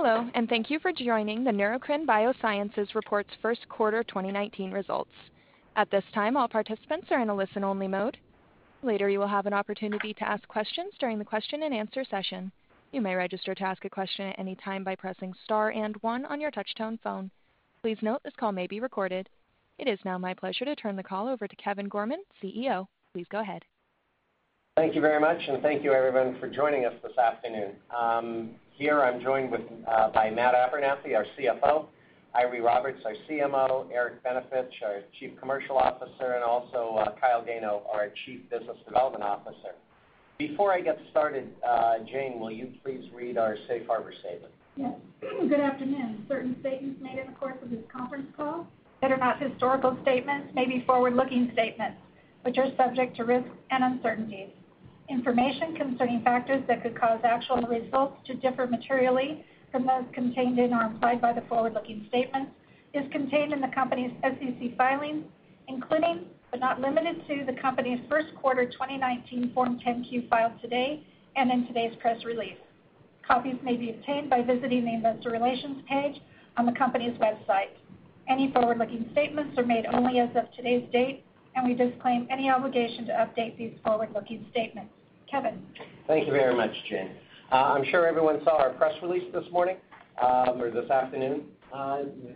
Hello. Thank you for joining the Neurocrine Biosciences Reports First Quarter 2019 Results. At this time, all participants are in a listen-only mode. Later, you will have an opportunity to ask questions during the question-and-answer session. You may register to ask a question at any time by pressing star 1 on your touch-tone phone. Please note this call may be recorded. It is now my pleasure to turn the call over to Kevin Gorman, CEO. Please go ahead. Thank you very much. Thank you everyone for joining us this afternoon. Here I'm joined by Matt Abernethy, our CFO, Eiry Roberts, our CMO, Eric Benevich, our Chief Commercial Officer, and also Kyle Gano, our Chief Business Development Officer. Before I get started, Jane, will you please read our safe harbor statement? Yes. Good afternoon. Certain statements made in the course of this conference call that are not historical statements may be forward-looking statements, which are subject to risks and uncertainties. Information concerning factors that could cause actual results to differ materially from those contained in or implied by the forward-looking statements is contained in the company's SEC filings, including, but not limited to, the company's first quarter 2019 Form 10-Q filed today and in today's press release. Copies may be obtained by visiting the investor relations page on the company's website. Any forward-looking statements are made only as of today's date. We disclaim any obligation to update these forward-looking statements. Kevin. Thank you very much, Jane. I'm sure everyone saw our press release this morning or this afternoon.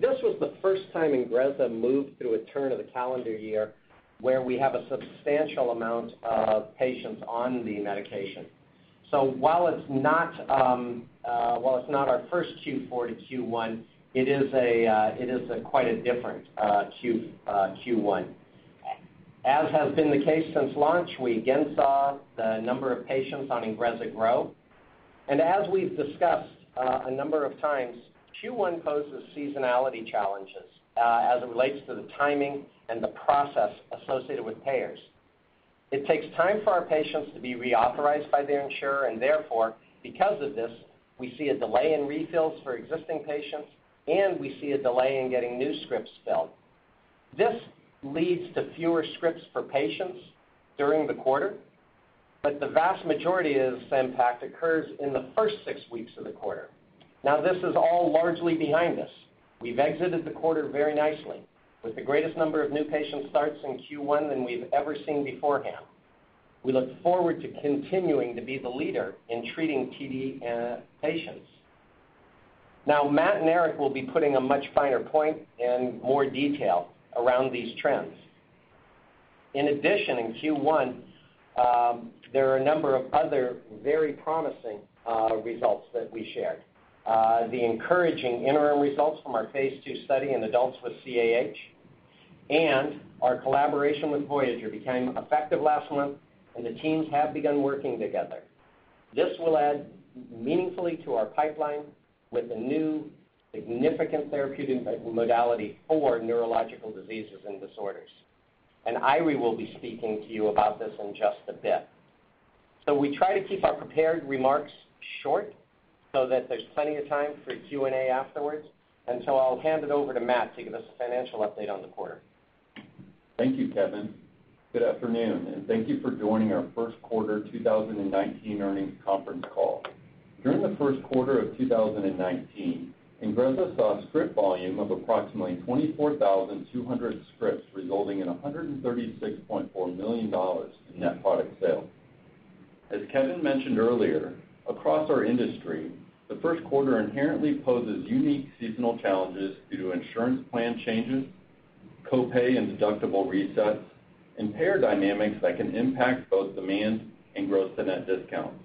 This was the first time INGREZZA moved through a turn of the calendar year where we have a substantial amount of patients on the medication. While it's not our first Q4 to Q1, it is quite a different Q1. As has been the case since launch, we again saw the number of patients on INGREZZA grow. As we've discussed a number of times, Q1 poses seasonality challenges as it relates to the timing and the process associated with payers. It takes time for our patients to be reauthorized by their insurer, and therefore, because of this, we see a delay in refills for existing patients and we see a delay in getting new scripts filled. This leads to fewer scripts for patients during the quarter, but the vast majority of this impact occurs in the first six weeks of the quarter. This is all largely behind us. We've exited the quarter very nicely with the greatest number of new patient starts in Q1 than we've ever seen beforehand. We look forward to continuing to be the leader in treating TD patients. Matt and Eric will be putting a much finer point and more detail around these trends. In addition, in Q1, there are a number of other very promising results that we shared. The encouraging interim results from our phase II study in adults with CAH and our collaboration with Voyager became effective last month, and the teams have begun working together. This will add meaningfully to our pipeline with a new significant therapeutic modality for neurological diseases and disorders. Eiry will be speaking to you about this in just a bit. We try to keep our prepared remarks short so that there's plenty of time for Q&A afterwards. I'll hand it over to Matt to give us a financial update on the quarter. Thank you, Kevin. Good afternoon, and thank you for joining our first quarter 2019 earnings conference call. During the first quarter of 2019, INGREZZA saw script volume of approximately 24,200 scripts, resulting in $136.4 million in net product sales. As Kevin mentioned earlier, across our industry, the first quarter inherently poses unique seasonal challenges due to insurance plan changes, co-pay and deductible resets, and payer dynamics that can impact both demand and gross-to-net discounts.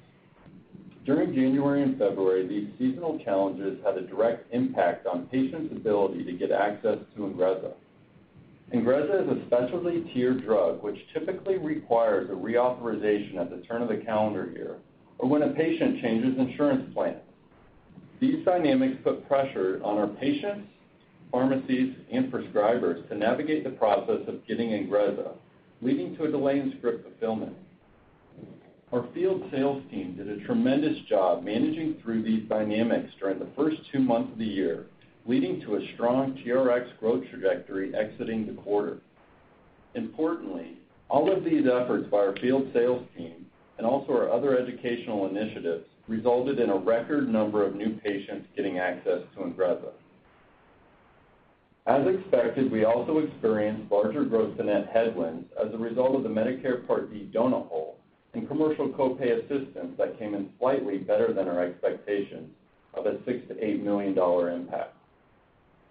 During January and February, these seasonal challenges had a direct impact on patients' ability to get access to INGREZZA. INGREZZA is a specialty tiered drug, which typically requires a reauthorization at the turn of the calendar year or when a patient changes insurance plans. These dynamics put pressure on our patients, pharmacies, and prescribers to navigate the process of getting INGREZZA, leading to a delay in script fulfillment. Our field sales team did a tremendous job managing through these dynamics during the first two months of the year, leading to a strong TRX growth trajectory exiting the quarter. Importantly, all of these efforts by our field sales team and also our other educational initiatives resulted in a record number of new patients getting access to INGREZZA. As expected, we also experienced larger gross-to-net headwinds as a result of the Medicare Part D donut hole and commercial co-pay assistance that came in slightly better than our expectations of a 6 to $8 million impact.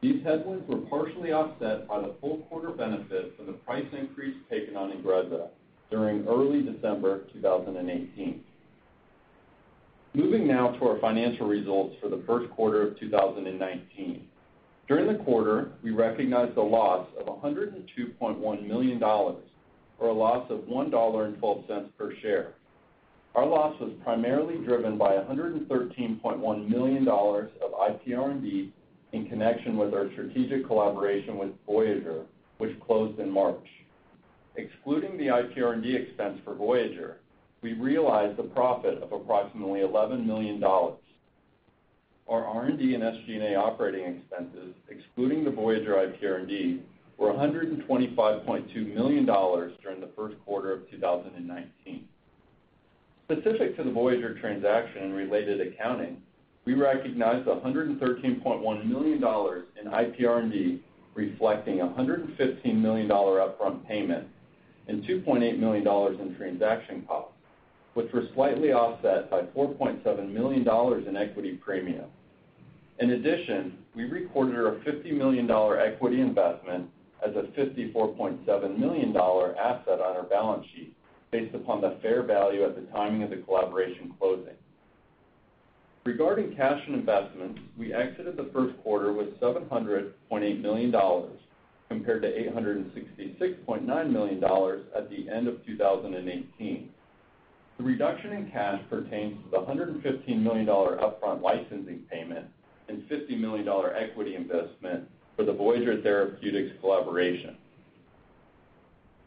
These headwinds were partially offset by the full quarter benefit for the price increase taken on INGREZZA during early December 2018. Moving now to our financial results for the first quarter of 2019. During the quarter, we recognized a loss of $102.1 million, or a loss of $1.12 per share. Our loss was primarily driven by $113.1 million of IPR&D in connection with our strategic collaboration with Voyager, which closed in March. Excluding the IPR&D expense for Voyager, we realized a profit of approximately $11 million. Our R&D and SG&A operating expenses, excluding the Voyager IPR&D, were $125.2 million during the first quarter of 2019. Specific to the Voyager transaction and related accounting, we recognized $113.1 million in IPR&D, reflecting a $115 million upfront payment and $2.8 million in transaction costs, which were slightly offset by $4.7 million in equity premium. In addition, we recorded a $50 million equity investment as a $54.7 million asset on our balance sheet based upon the fair value at the timing of the collaboration closing. Regarding cash and investments, we exited the first quarter with $700.8 million compared to $866.9 million at the end of 2018. The reduction in cash pertains to the $115 million upfront licensing payment and $50 million equity investment for the Voyager Therapeutics collaboration.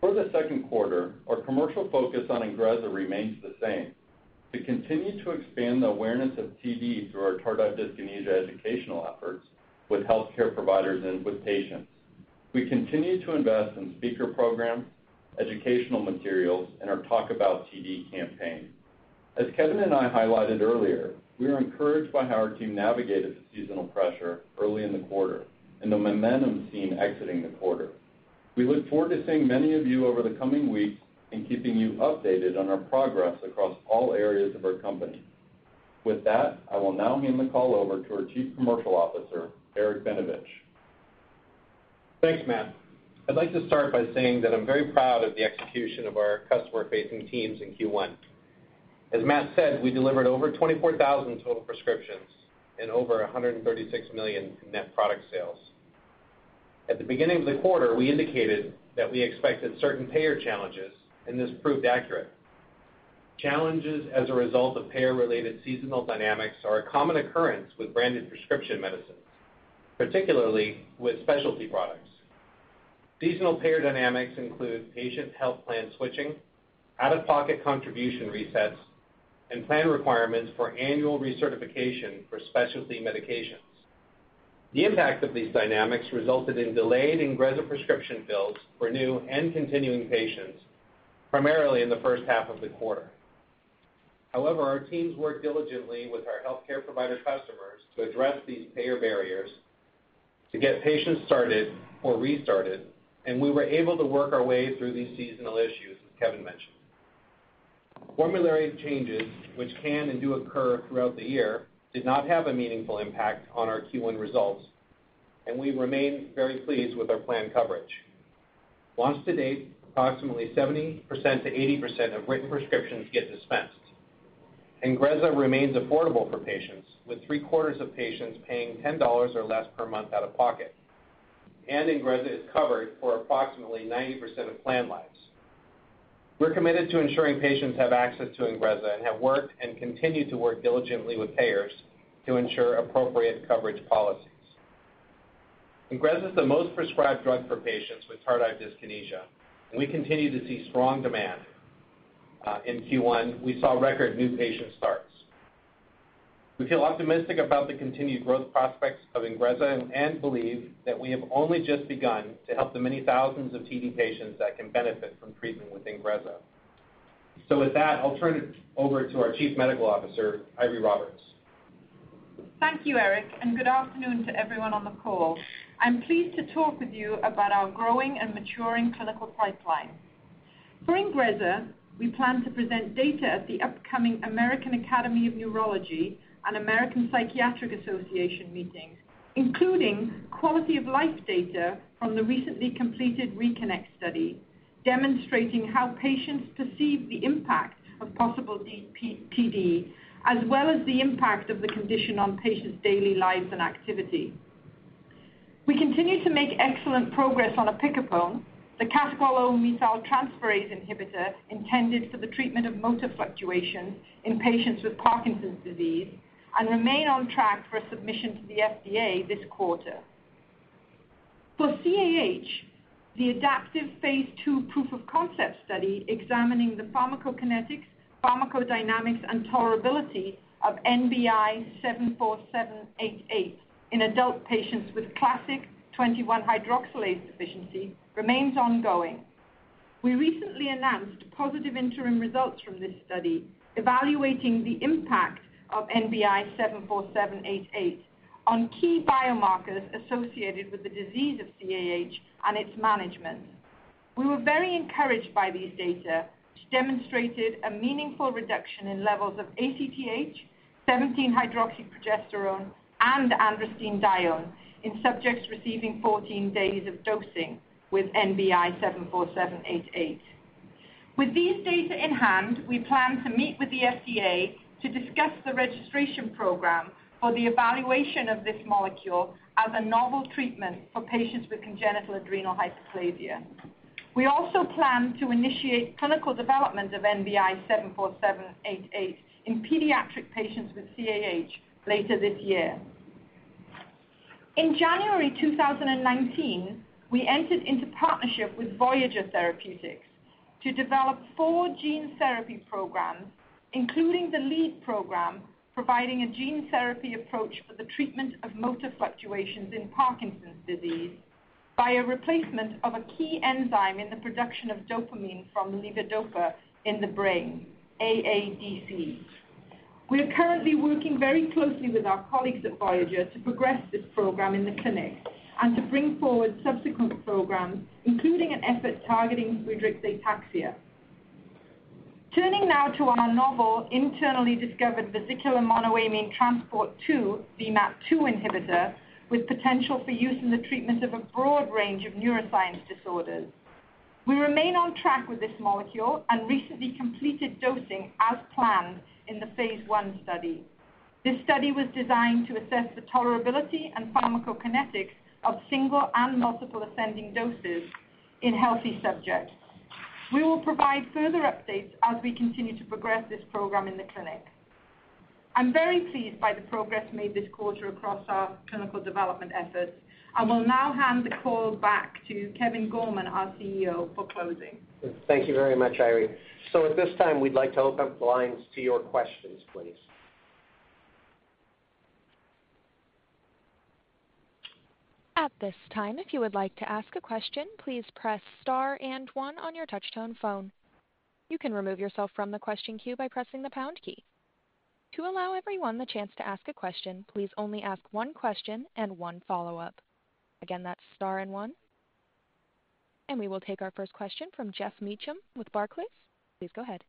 For the second quarter, our commercial focus on INGREZZA remains the same: to continue to expand the awareness of TD through our tardive dyskinesia educational efforts with healthcare providers and with patients. We continue to invest in speaker programs, educational materials, and our Talk About TD campaign. As Kevin and I highlighted earlier, we are encouraged by how our team navigated the seasonal pressure early in the quarter and the momentum seen exiting the quarter. We look forward to seeing many of you over the coming weeks and keeping you updated on our progress across all areas of our company. With that, I will now hand the call over to our Chief Commercial Officer, Eric Benevich. Thanks, Matt. I'd like to start by saying that I'm very proud of the execution of our customer-facing teams in Q1. As Matt said, we delivered over 24,000 total prescriptions and over $136 million in net product sales. At the beginning of the quarter, we indicated that we expected certain payer challenges. This proved accurate. Challenges as a result of payer-related seasonal dynamics are a common occurrence with branded prescription medicines, particularly with specialty products. Seasonal payer dynamics include patient health plan switching, out-of-pocket contribution resets, and plan requirements for annual recertification for specialty medications. The impact of these dynamics resulted in delayed INGREZZA prescription fills for new and continuing patients, primarily in the first half of the quarter. However, our teams worked diligently with our healthcare provider customers to address these payer barriers to get patients started or restarted, as Kevin mentioned. Formulary changes, which can and do occur throughout the year, did not have a meaningful impact on our Q1 results. We remain very pleased with our plan coverage. Launch to date, approximately 70%-80% of written prescriptions get dispensed. INGREZZA remains affordable for patients, with three-quarters of patients paying $10 or less per month out of pocket. INGREZZA is covered for approximately 90% of plan lives. We're committed to ensuring patients have access to INGREZZA and have worked and continue to work diligently with payers to ensure appropriate coverage policies. INGREZZA is the most prescribed drug for patients with tardive dyskinesia. We continue to see strong demand. In Q1, we saw record new patient starts. We feel optimistic about the continued growth prospects of INGREZZA and believe that we have only just begun to help the many thousands of TD patients that can benefit from treatment with INGREZZA. With that, I'll turn it over to our Chief Medical Officer, Eiry Roberts. Thank you, Eric, and good afternoon to everyone on the call. I'm pleased to talk with you about our growing and maturing clinical pipeline. For INGREZZA, we plan to present data at the upcoming American Academy of Neurology and American Psychiatric Association meetings, including quality of life data from the recently completed RECONNECT study, demonstrating how patients perceive the impact of possible TD, as well as the impact of the condition on patients' daily lives and activity. We continue to make excellent progress on opicapone, the catechol-O-methyltransferase inhibitor intended for the treatment of motor fluctuation in patients with Parkinson's disease, and remain on track for submission to the FDA this quarter. For CAH, the adaptive phase II proof of concept study examining the pharmacokinetics, pharmacodynamics, and tolerability of NBI-74788 in adult patients with classic 21-hydroxylase deficiency remains ongoing. We recently announced positive interim results from this study evaluating the impact of NBI-74788 on key biomarkers associated with the disease of CAH and its management. We were very encouraged by these data, which demonstrated a meaningful reduction in levels of ACTH, 17-hydroxyprogesterone, and androstenedione in subjects receiving 14 days of dosing with NBI-74788. With these data in hand, we plan to meet with the FDA to discuss the registration program for the evaluation of this molecule as a novel treatment for patients with congenital adrenal hyperplasia. We also plan to initiate clinical development of NBI-74788 in pediatric patients with CAH later this year. In January 2019, we entered into partnership with Voyager Therapeutics to develop four gene therapy programs, including the lead program, providing a gene therapy approach for the treatment of motor fluctuations in Parkinson's disease by a replacement of a key enzyme in the production of dopamine from levodopa in the brain, AADC. We are currently working very closely with our colleagues at Voyager to progress this program in the clinic and to bring forward subsequent programs, including an effort targeting Friedreich's ataxia. Turning now to our novel internally discovered vesicular monoamine transport two, VMAT2 inhibitor, with potential for use in the treatment of a broad range of neuroscience disorders. We remain on track with this molecule and recently completed dosing as planned in the phase I study. This study was designed to assess the tolerability and pharmacokinetics of single and multiple ascending doses in healthy subjects. We will provide further updates as we continue to progress this program in the clinic. I'm very pleased by the progress made this quarter across our clinical development efforts, and will now hand the call back to Kevin Gorman, our CEO, for closing. Thank you very much, Eiry. At this time, we'd like to open up the lines to your questions, please. At this time, if you would like to ask a question, please press star and one on your touch-tone phone. You can remove yourself from the question queue by pressing the pound key. To allow everyone the chance to ask a question, please only ask one question and one follow-up. Again, that's star and one. We will take our first question from Geoffrey Meacham with Barclays. Please go ahead.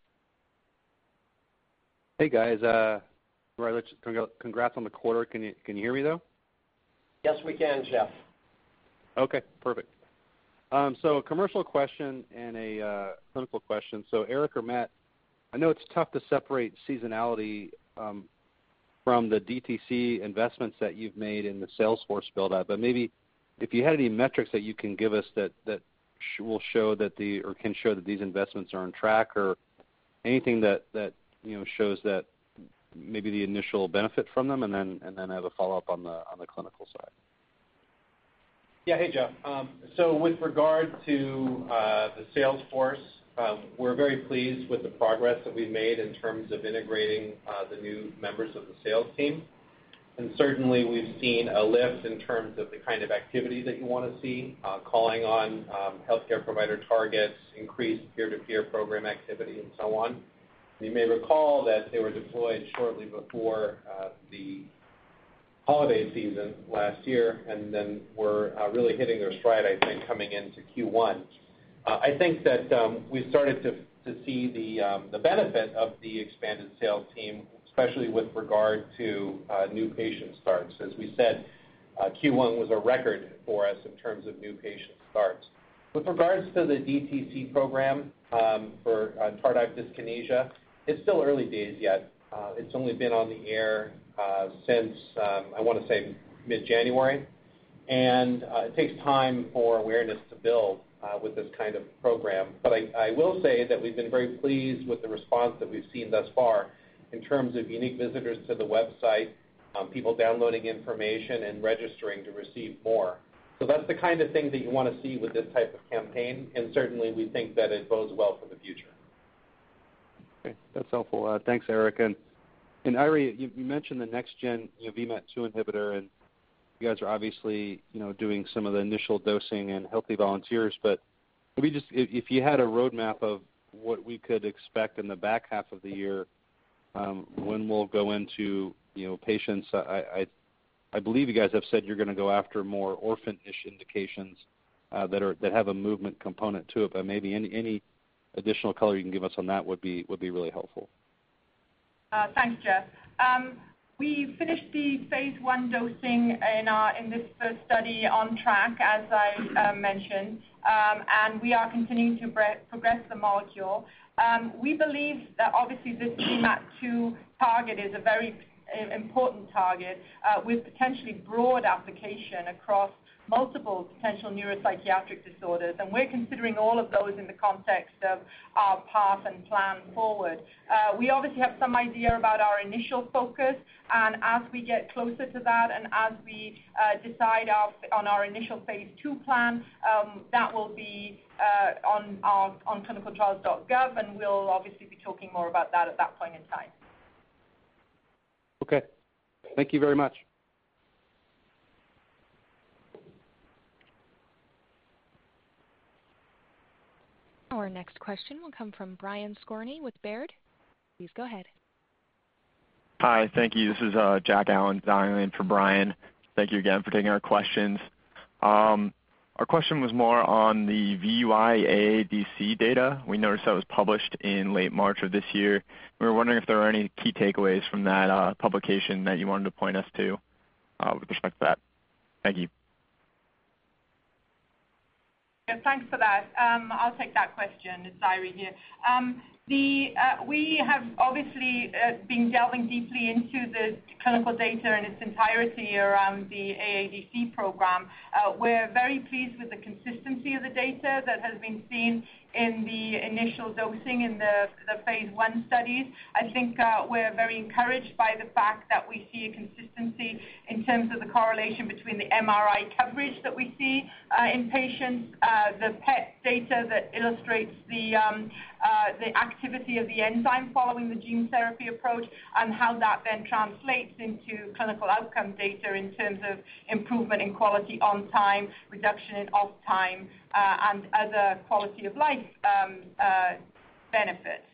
Hey, guys. Eiry, congrats on the quarter. Can you hear me, though? Yes, we can, Geoff. Okay, perfect. A commercial question and a clinical question. Eric or Matt, I know it's tough to separate seasonality from the DTC investments that you've made in the sales force build-up, but maybe if you had any metrics that you can give us that can show that these investments are on track or anything that shows maybe the initial benefit from them, and then I have a follow-up on the clinical side. Yeah. Hey, Jeff. With regard to the sales force, we're very pleased with the progress that we've made in terms of integrating the new members of the sales team. Certainly, we've seen a lift in terms of the kind of activity that you want to see, calling on healthcare provider targets, increased peer-to-peer program activity, and so on. You may recall that they were deployed shortly before the holiday season last year and then were really hitting their stride, I think, coming into Q1. I think that we started to see the benefit of the expanded sales team, especially with regard to new patient starts. As we said, Q1 was a record for us in terms of new patient starts. With regards to the DTC program for tardive dyskinesia, it's still early days yet. It's only been on the air since, I want to say mid-January. It takes time for awareness to build with this kind of program. I will say that we've been very pleased with the response that we've seen thus far in terms of unique visitors to the website, people downloading information, and registering to receive more. That's the kind of thing that you want to see with this type of campaign, and certainly, we think that it bodes well for the future. Okay. That's helpful. Thanks, Eric. Eiry, you mentioned the next gen VMAT2 inhibitor, you guys are obviously doing some of the initial dosing in healthy volunteers. If you had a roadmap of what we could expect in the back half of the year, when we'll go into patients. I believe you guys have said you're going to go after more orphan-ish indications that have a movement component to it, but maybe any additional color you can give us on that would be really helpful. Thanks, Geoff. We finished the phase I dosing in this first study on track, as I mentioned. We are continuing to progress the molecule. We believe that obviously this VMAT2 target is a very important target with potentially broad application across multiple potential neuropsychiatric disorders. We're considering all of those in the context of our path and plan forward. We obviously have some idea about our initial focus, as we get closer to that and as we decide on our initial phase II plan, that will be on clinicaltrials.gov, and we'll obviously be talking more about that at that point in time. Okay. Thank you very much. Our next question will come from Brian Skorney with Baird. Please go ahead. Hi. Thank you. This is Jack Allen dialing in for Brian. Thank you again for taking our questions. Our question was more on the VY-AADC data. We noticed that was published in late March of this year. We were wondering if there are any key takeaways from that publication that you wanted to point us to with respect to that. Thank you. Thanks for that. I'll take that question. It's Eiry, here. We have obviously been delving deeply into the clinical data in its entirety around the AADC program. We're very pleased with the consistency of the data that has been seen in the initial dosing in the phase I studies. I think we're very encouraged by the fact that we see a consistency in terms of the correlation between the MRI coverage that we see in patients, the PET data that illustrates the activity of the enzyme following the gene therapy approach and how that then translates into clinical outcome data in terms of improvement in quality on time, reduction in off time, and other quality of life benefits.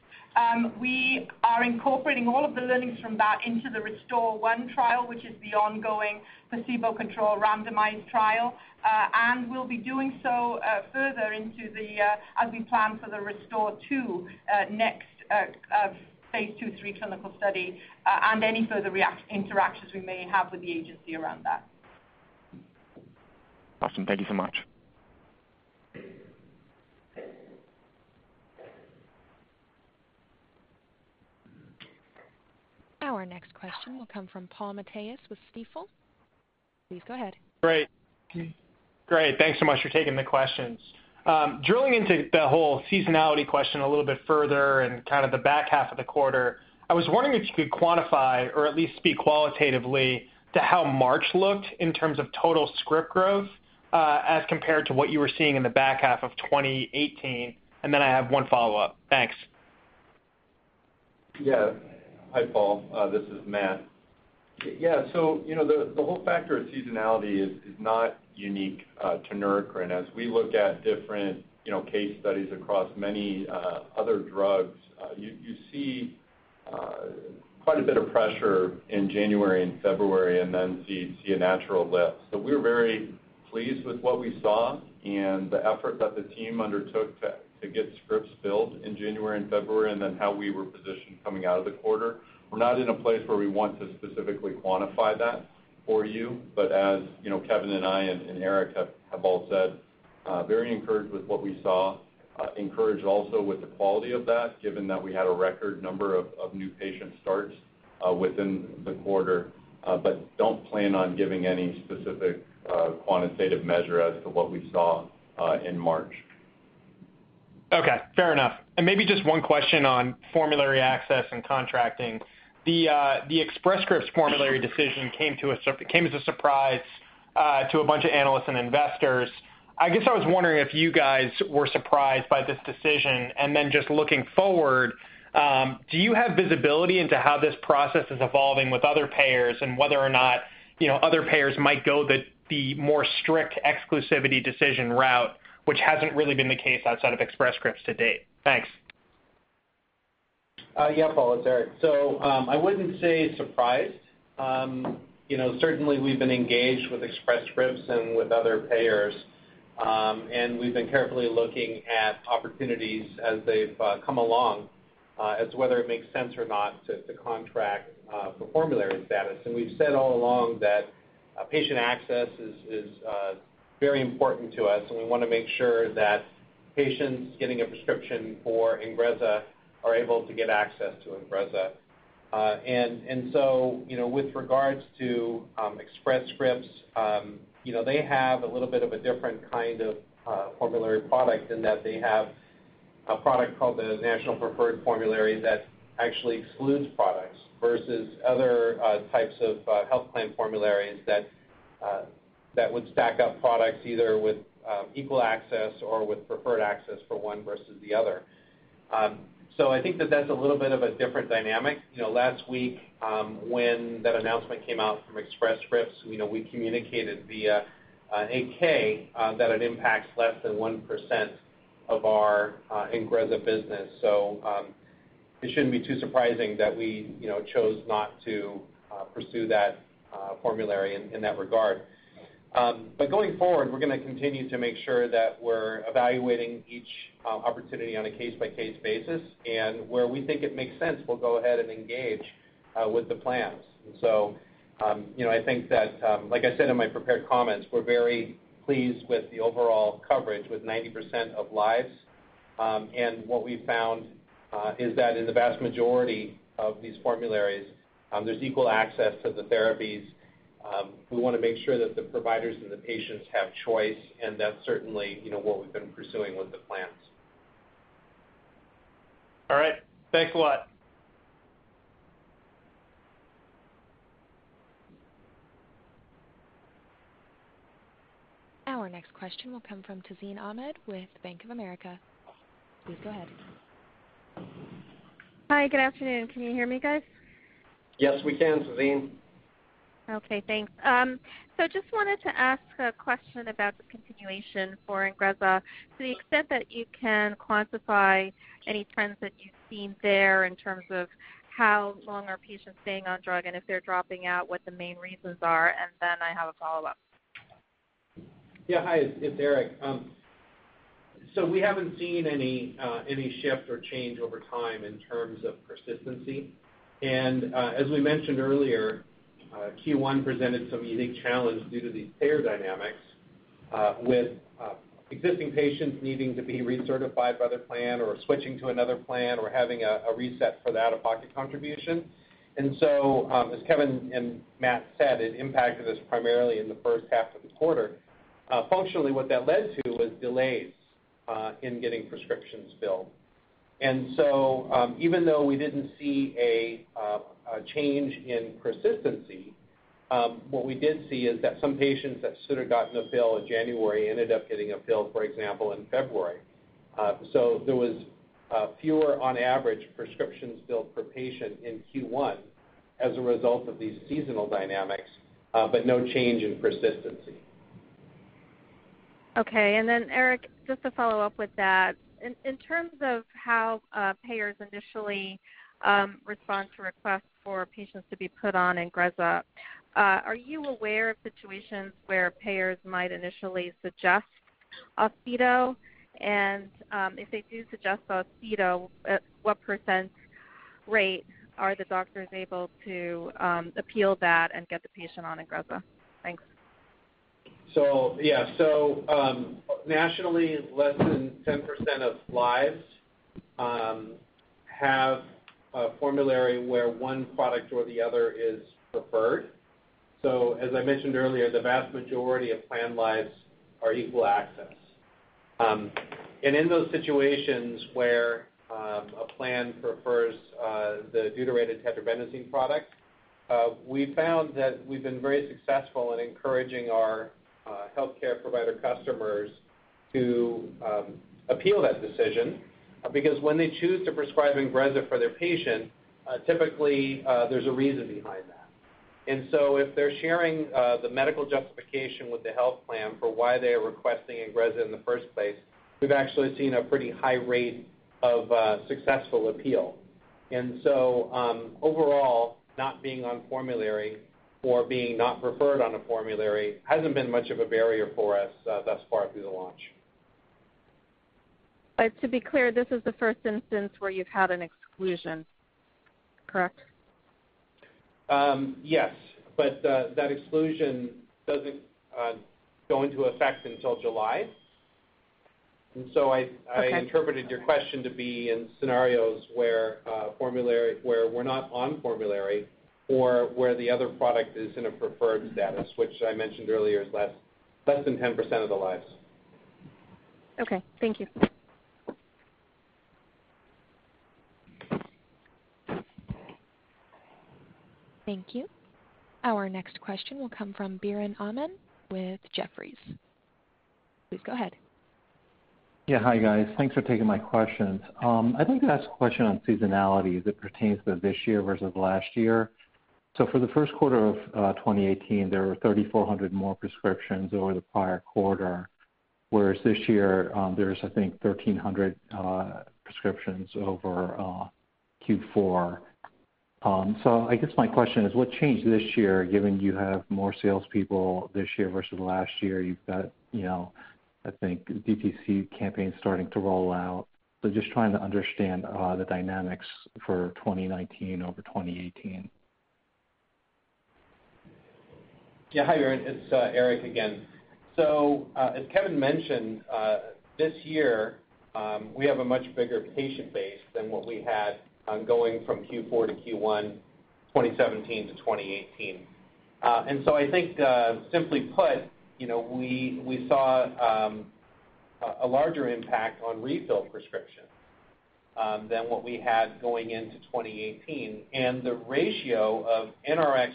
We are incorporating all of the learnings from that into the RESTORE-1 trial, which is the ongoing placebo-controlled randomized trial. We'll be doing so further as we plan for the RESTORE-2 next phase II, III clinical study, and any further interactions we may have with the agency around that. Awesome. Thank you so much. Our next question will come from Paul Matteis with Stifel. Please go ahead. Great. Thanks so much for taking the questions. Drilling into the whole seasonality question a little bit further and the back half of the quarter, I was wondering if you could quantify or at least speak qualitatively to how March looked in terms of total script growth as compared to what you were seeing in the back half of 2018. I have one follow-up. Thanks. Hi, Paul. This is Matt. The whole factor of seasonality is not unique to Neurocrine. As we look at different case studies across many other drugs, you see quite a bit of pressure in January and February and then see a natural lift. We're very pleased with what we saw and the effort that the team undertook to get scripts filled in January and February and then how we were positioned coming out of the quarter. We're not in a place where we want to specifically quantify that for you, as Kevin and I and Eric have all said, very encouraged with what we saw, encouraged also with the quality of that, given that we had a record number of new patient starts within the quarter. Don't plan on giving any specific quantitative measure as to what we saw in March. Okay. Fair enough. Maybe just one question on formulary access and contracting. The Express Scripts formulary decision came as a surprise to a bunch of analysts and investors. I guess I was wondering if you guys were surprised by this decision, just looking forward, do you have visibility into how this process is evolving with other payers and whether or not other payers might go the more strict exclusivity decision route, which hasn't really been the case outside of Express Scripts to date. Thanks. Yeah, Paul. It's Eric. I wouldn't say surprised. Certainly, we've been engaged with Express Scripts and with other payers, and we've been carefully looking at opportunities as they've come along as to whether it makes sense or not to contract for formulary status. We've said all along that patient access is very important to us, and we want to make sure that patients getting a prescription for INGREZZA are able to get access to INGREZZA. With regards to Express Scripts, they have a little bit of a different kind of formulary product in that they have a product called the National Preferred Formulary that actually excludes products versus other types of health plan formularies that would stack up products either with equal access or with preferred access for one versus the other. I think that's a little bit of a different dynamic. Last week when that announcement came out from Express Scripts, we communicated via an 8-K that it impacts less than 1% of our INGREZZA business. It shouldn't be too surprising that we chose not to pursue that formulary in that regard. Going forward, we're going to continue to make sure that we're evaluating each opportunity on a case-by-case basis, and where we think it makes sense, we'll go ahead and engage with the plans. I think that, like I said in my prepared comments, we're very pleased with the overall coverage with 90% of lives. What we've found is that in the vast majority of these formularies, there's equal access to the therapies. We want to make sure that the providers and the patients have choice, and that's certainly what we've been pursuing with the plans. All right. Thanks a lot. Our next question will come from Tazeen Ahmad with Bank of America. Please go ahead. Hi, good afternoon. Can you hear me, guys? Yes, we can, Tazeen. Okay, thanks. Just wanted to ask a question about the continuation for INGREZZA. To the extent that you can quantify any trends that you've seen there in terms of how long are patients staying on drug, and if they're dropping out, what the main reasons are, and then I have a follow-up. Yeah. Hi, it's Eric. We haven't seen any shift or change over time in terms of persistency. As we mentioned earlier, Q1 presented some unique challenge due to these payer dynamics with existing patients needing to be recertified by the plan or switching to another plan or having a reset for the out-of-pocket contribution. As Kevin and Matt said, it impacted us primarily in the first half of the quarter. Functionally, what that led to was delays in getting prescriptions filled. Even though we didn't see a change in persistency, what we did see is that some patients that should have gotten a fill in January ended up getting a fill, for example, in February. There was fewer, on average, prescriptions filled per patient in Q1 as a result of these seasonal dynamics, but no change in persistency. Okay. Eric, just to follow up with that, in terms of how payers initially respond to requests for patients to be put on INGREZZA, are you aware of situations where payers might initially suggest Austedo? If they do suggest Austedo, at what % rate are the doctors able to appeal that and get the patient on INGREZZA? Thanks. Nationally, less than 10% of lives have a formulary where one product or the other is preferred. As I mentioned earlier, the vast majority of plan lives are equal access. In those situations where a plan prefers the deuterated tetrabenazine product, we've found that we've been very successful in encouraging our healthcare provider customers to appeal that decision, because when they choose to prescribe INGREZZA for their patient, typically, there's a reason behind that. If they're sharing the medical justification with the health plan for why they are requesting INGREZZA in the first place, we've actually seen a pretty high rate of successful appeal. Overall, not being on formulary or being not preferred on a formulary hasn't been much of a barrier for us thus far through the launch. To be clear, this is the first instance where you've had an exclusion, correct? Yes, that exclusion doesn't go into effect until July. Okay. I interpreted your question to be in scenarios where we're not on formulary or where the other product is in a preferred status, which I mentioned earlier is less than 10% of the lives. Okay. Thank you. Thank you. Our next question will come from Biren Amin with Jefferies. Please go ahead. Hi, guys. Thanks for taking my questions. I'd like to ask a question on seasonality as it pertains to this year versus last year. For the first quarter of 2018, there were 3,400 more prescriptions over the prior quarter, whereas this year there's, I think, 1,300 prescriptions over Q4. I guess my question is, what changed this year, given you have more salespeople this year versus last year? You've got, I think, DTC campaigns starting to roll out. Just trying to understand the dynamics for 2019 over 2018. Hi, Biren, it's Eric again. As Kevin mentioned, this year we have a much bigger patient base than what we had going from Q4 to Q1 2017 to 2018. I think, simply put, we saw a larger impact on refill prescriptions than what we had going into 2018. The ratio of NRx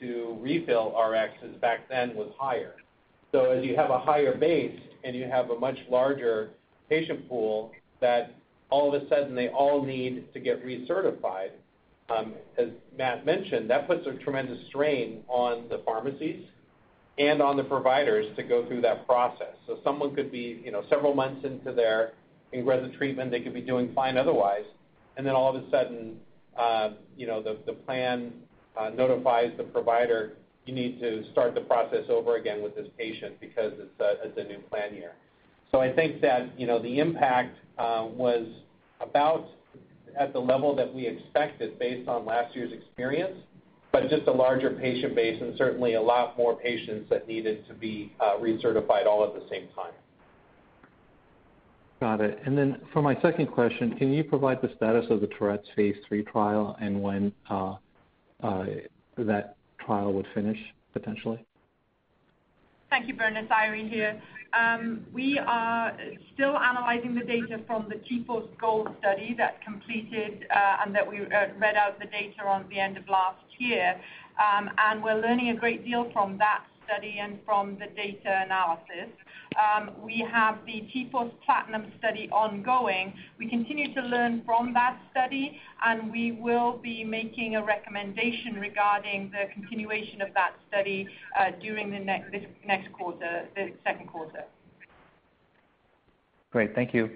to refill RXs back then was higher. As you have a higher base and you have a much larger patient pool that all of a sudden they all need to get recertified, as Matt mentioned, that puts a tremendous strain on the pharmacies and on the providers to go through that process. Someone could be several months into their INGREZZA treatment, they could be doing fine otherwise, all of a sudden, the plan notifies the provider, "You need to start the process over again with this patient because it's a new plan year." I think that the impact was about at the level that we expected based on last year's experience, but just a larger patient base and certainly a lot more patients that needed to be recertified all at the same time. Got it. For my second question, can you provide the status of the Tourette's phase III trial and when that trial would finish, potentially? Thank you, Biren. It's Eiry here. We are still analyzing the data from the T-Force GOLD study that completed and that we read out the data on the end of last year. We're learning a great deal from that study and from the data analysis. We have the T-Force PLATINUM study ongoing. We continue to learn from that study, we will be making a recommendation regarding the continuation of that study during the next quarter, the second quarter. Great. Thank you.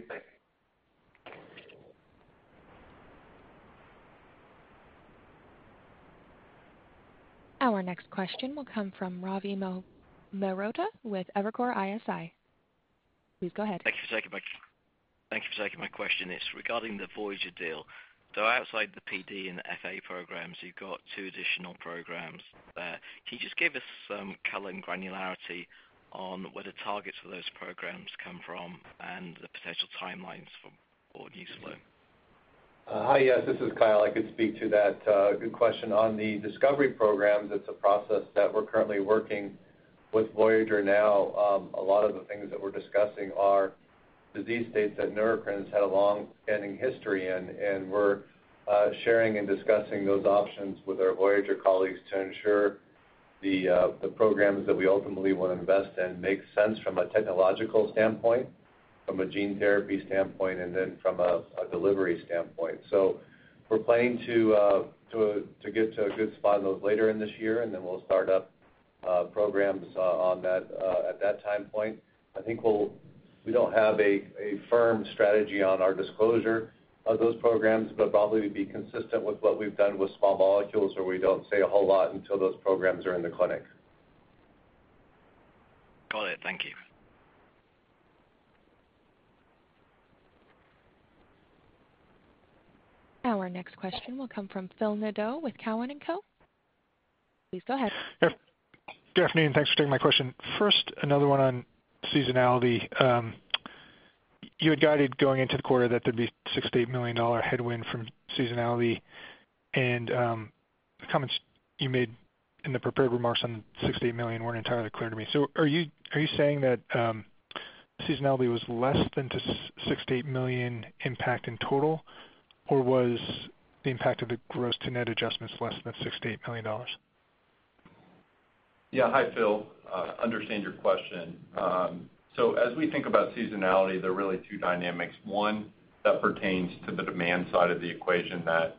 Thanks. Our next question will come from Ravi Mehrotra with Evercore ISI. Please go ahead. Thank you for taking my question. It's regarding the Voyager deal. Though outside the PD and the FA programs, you've got two additional programs there. Can you just give us some color and granularity on where the targets for those programs come from and the potential timelines for use there? Hi. Yes, this is Kyle. I could speak to that. Good question. On the discovery programs, it's a process that we're currently working with Voyager now. A lot of the things that we're discussing are Disease states that Neurocrine's had a longstanding history in, we're sharing and discussing those options with our Voyager colleagues to ensure the programs that we ultimately want to invest in make sense from a technological standpoint, from a gene therapy standpoint, from a delivery standpoint. We're planning to get to a good spot on those later in this year, we'll start up programs at that time point. I think we don't have a firm strategy on our disclosure of those programs, probably be consistent with what we've done with small molecules, where we don't say a whole lot until those programs are in the clinic. Got it. Thank you. Our next question will come from Phil Nadeau with Cowen and Co. Please go ahead. Good afternoon. Thanks for taking my question. First, another one on seasonality. You had guided going into the quarter that there'd be $68 million headwind from seasonality, and the comments you made in the prepared remarks on $68 million weren't entirely clear to me. Are you saying that seasonality was less than the $68 million impact in total, or was the impact of the gross-to-net adjustments less than $68 million? Hi, Phil. Understand your question. As we think about seasonality, there are really two dynamics. One that pertains to the demand side of the equation that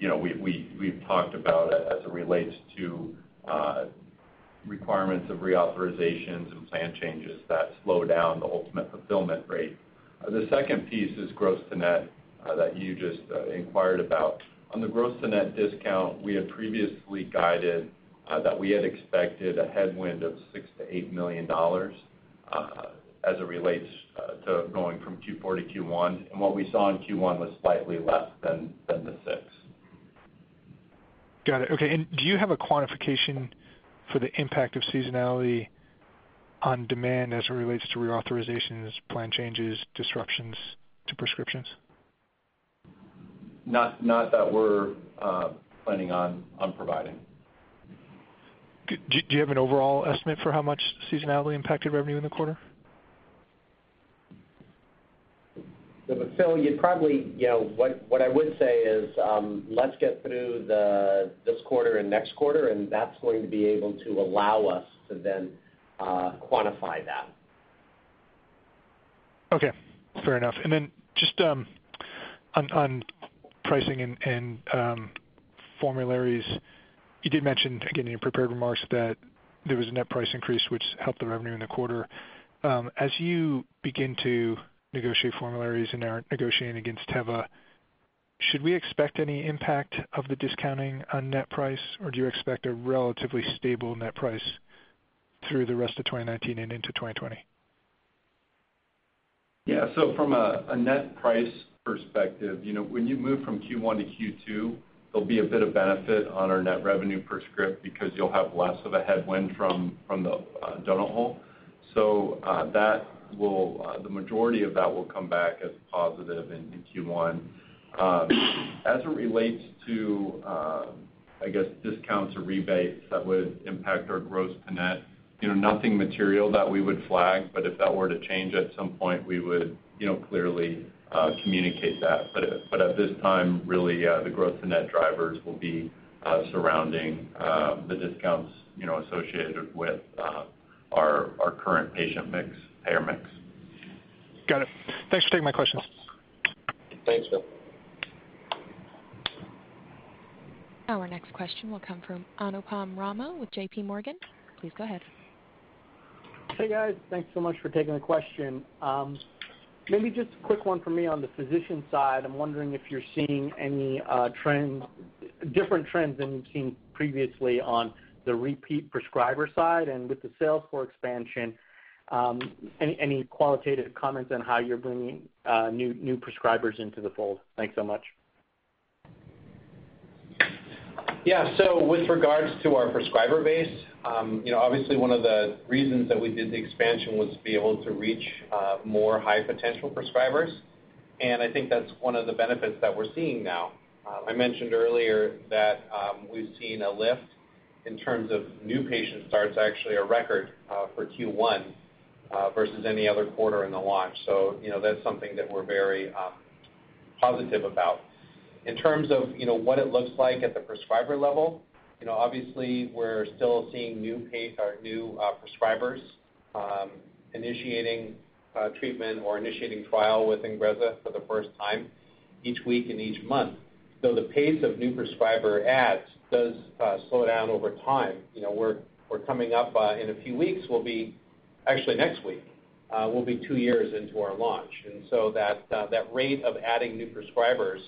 we've talked about as it relates to requirements of reauthorizations and plan changes that slow down the ultimate fulfillment rate. The second piece is gross to net that you just inquired about. On the gross-to-net discount, we had previously guided that we had expected a headwind of $6 million to $8 million as it relates to going from Q4 to Q1, and what we saw in Q1 was slightly less than the 6. Got it. Okay, do you have a quantification for the impact of seasonality on demand as it relates to reauthorizations, plan changes, disruptions to prescriptions? Not that we're planning on providing. Do you have an overall estimate for how much seasonality impacted revenue in the quarter? Phil, what I would say is let's get through this quarter and next quarter, that's going to be able to allow us to then quantify that. Okay, fair enough. Then just on pricing and formularies, you did mention again in your prepared remarks that there was a net price increase, which helped the revenue in the quarter. As you begin to negotiate formularies and are negotiating against Teva, should we expect any impact of the discounting on net price, or do you expect a relatively stable net price through the rest of 2019 and into 2020? From a net price perspective, when you move from Q1 to Q2, there'll be a bit of benefit on our net revenue per script because you'll have less of a headwind from the donut hole. The majority of that will come back as positive in Q1. As it relates to, I guess, discounts or rebates that would impact our gross to net, nothing material that we would flag, but if that were to change at some point, we would clearly communicate that. At this time, really the gross to net drivers will be surrounding the discounts associated with our current patient mix, payer mix. Got it. Thanks for taking my questions. Thanks, Phil. Our next question will come from Anupam Rama with J.P. Morgan. Please go ahead. Hey, guys. Thanks so much for taking the question. Maybe just a quick one from me on the physician side, I'm wondering if you're seeing any different trends than you've seen previously on the repeat prescriber side and with the sales force expansion. Any qualitative comments on how you're bringing new prescribers into the fold? Thanks so much. Yeah, with regards to our prescriber base, obviously one of the reasons that we did the expansion was to be able to reach more high potential prescribers. I think that's one of the benefits that we're seeing now. I mentioned earlier that we've seen a lift in terms of new patient starts, actually a record for Q1 versus any other quarter in the launch. That's something that we're very positive about. In terms of what it looks like at the prescriber level, obviously we're still seeing new prescribers initiating treatment or initiating trial with INGREZZA for the first time each week and each month. Though the pace of new prescriber adds does slow down over time. We're coming up in a few weeks, actually next week, we'll be two years into our launch. That rate of adding new prescribers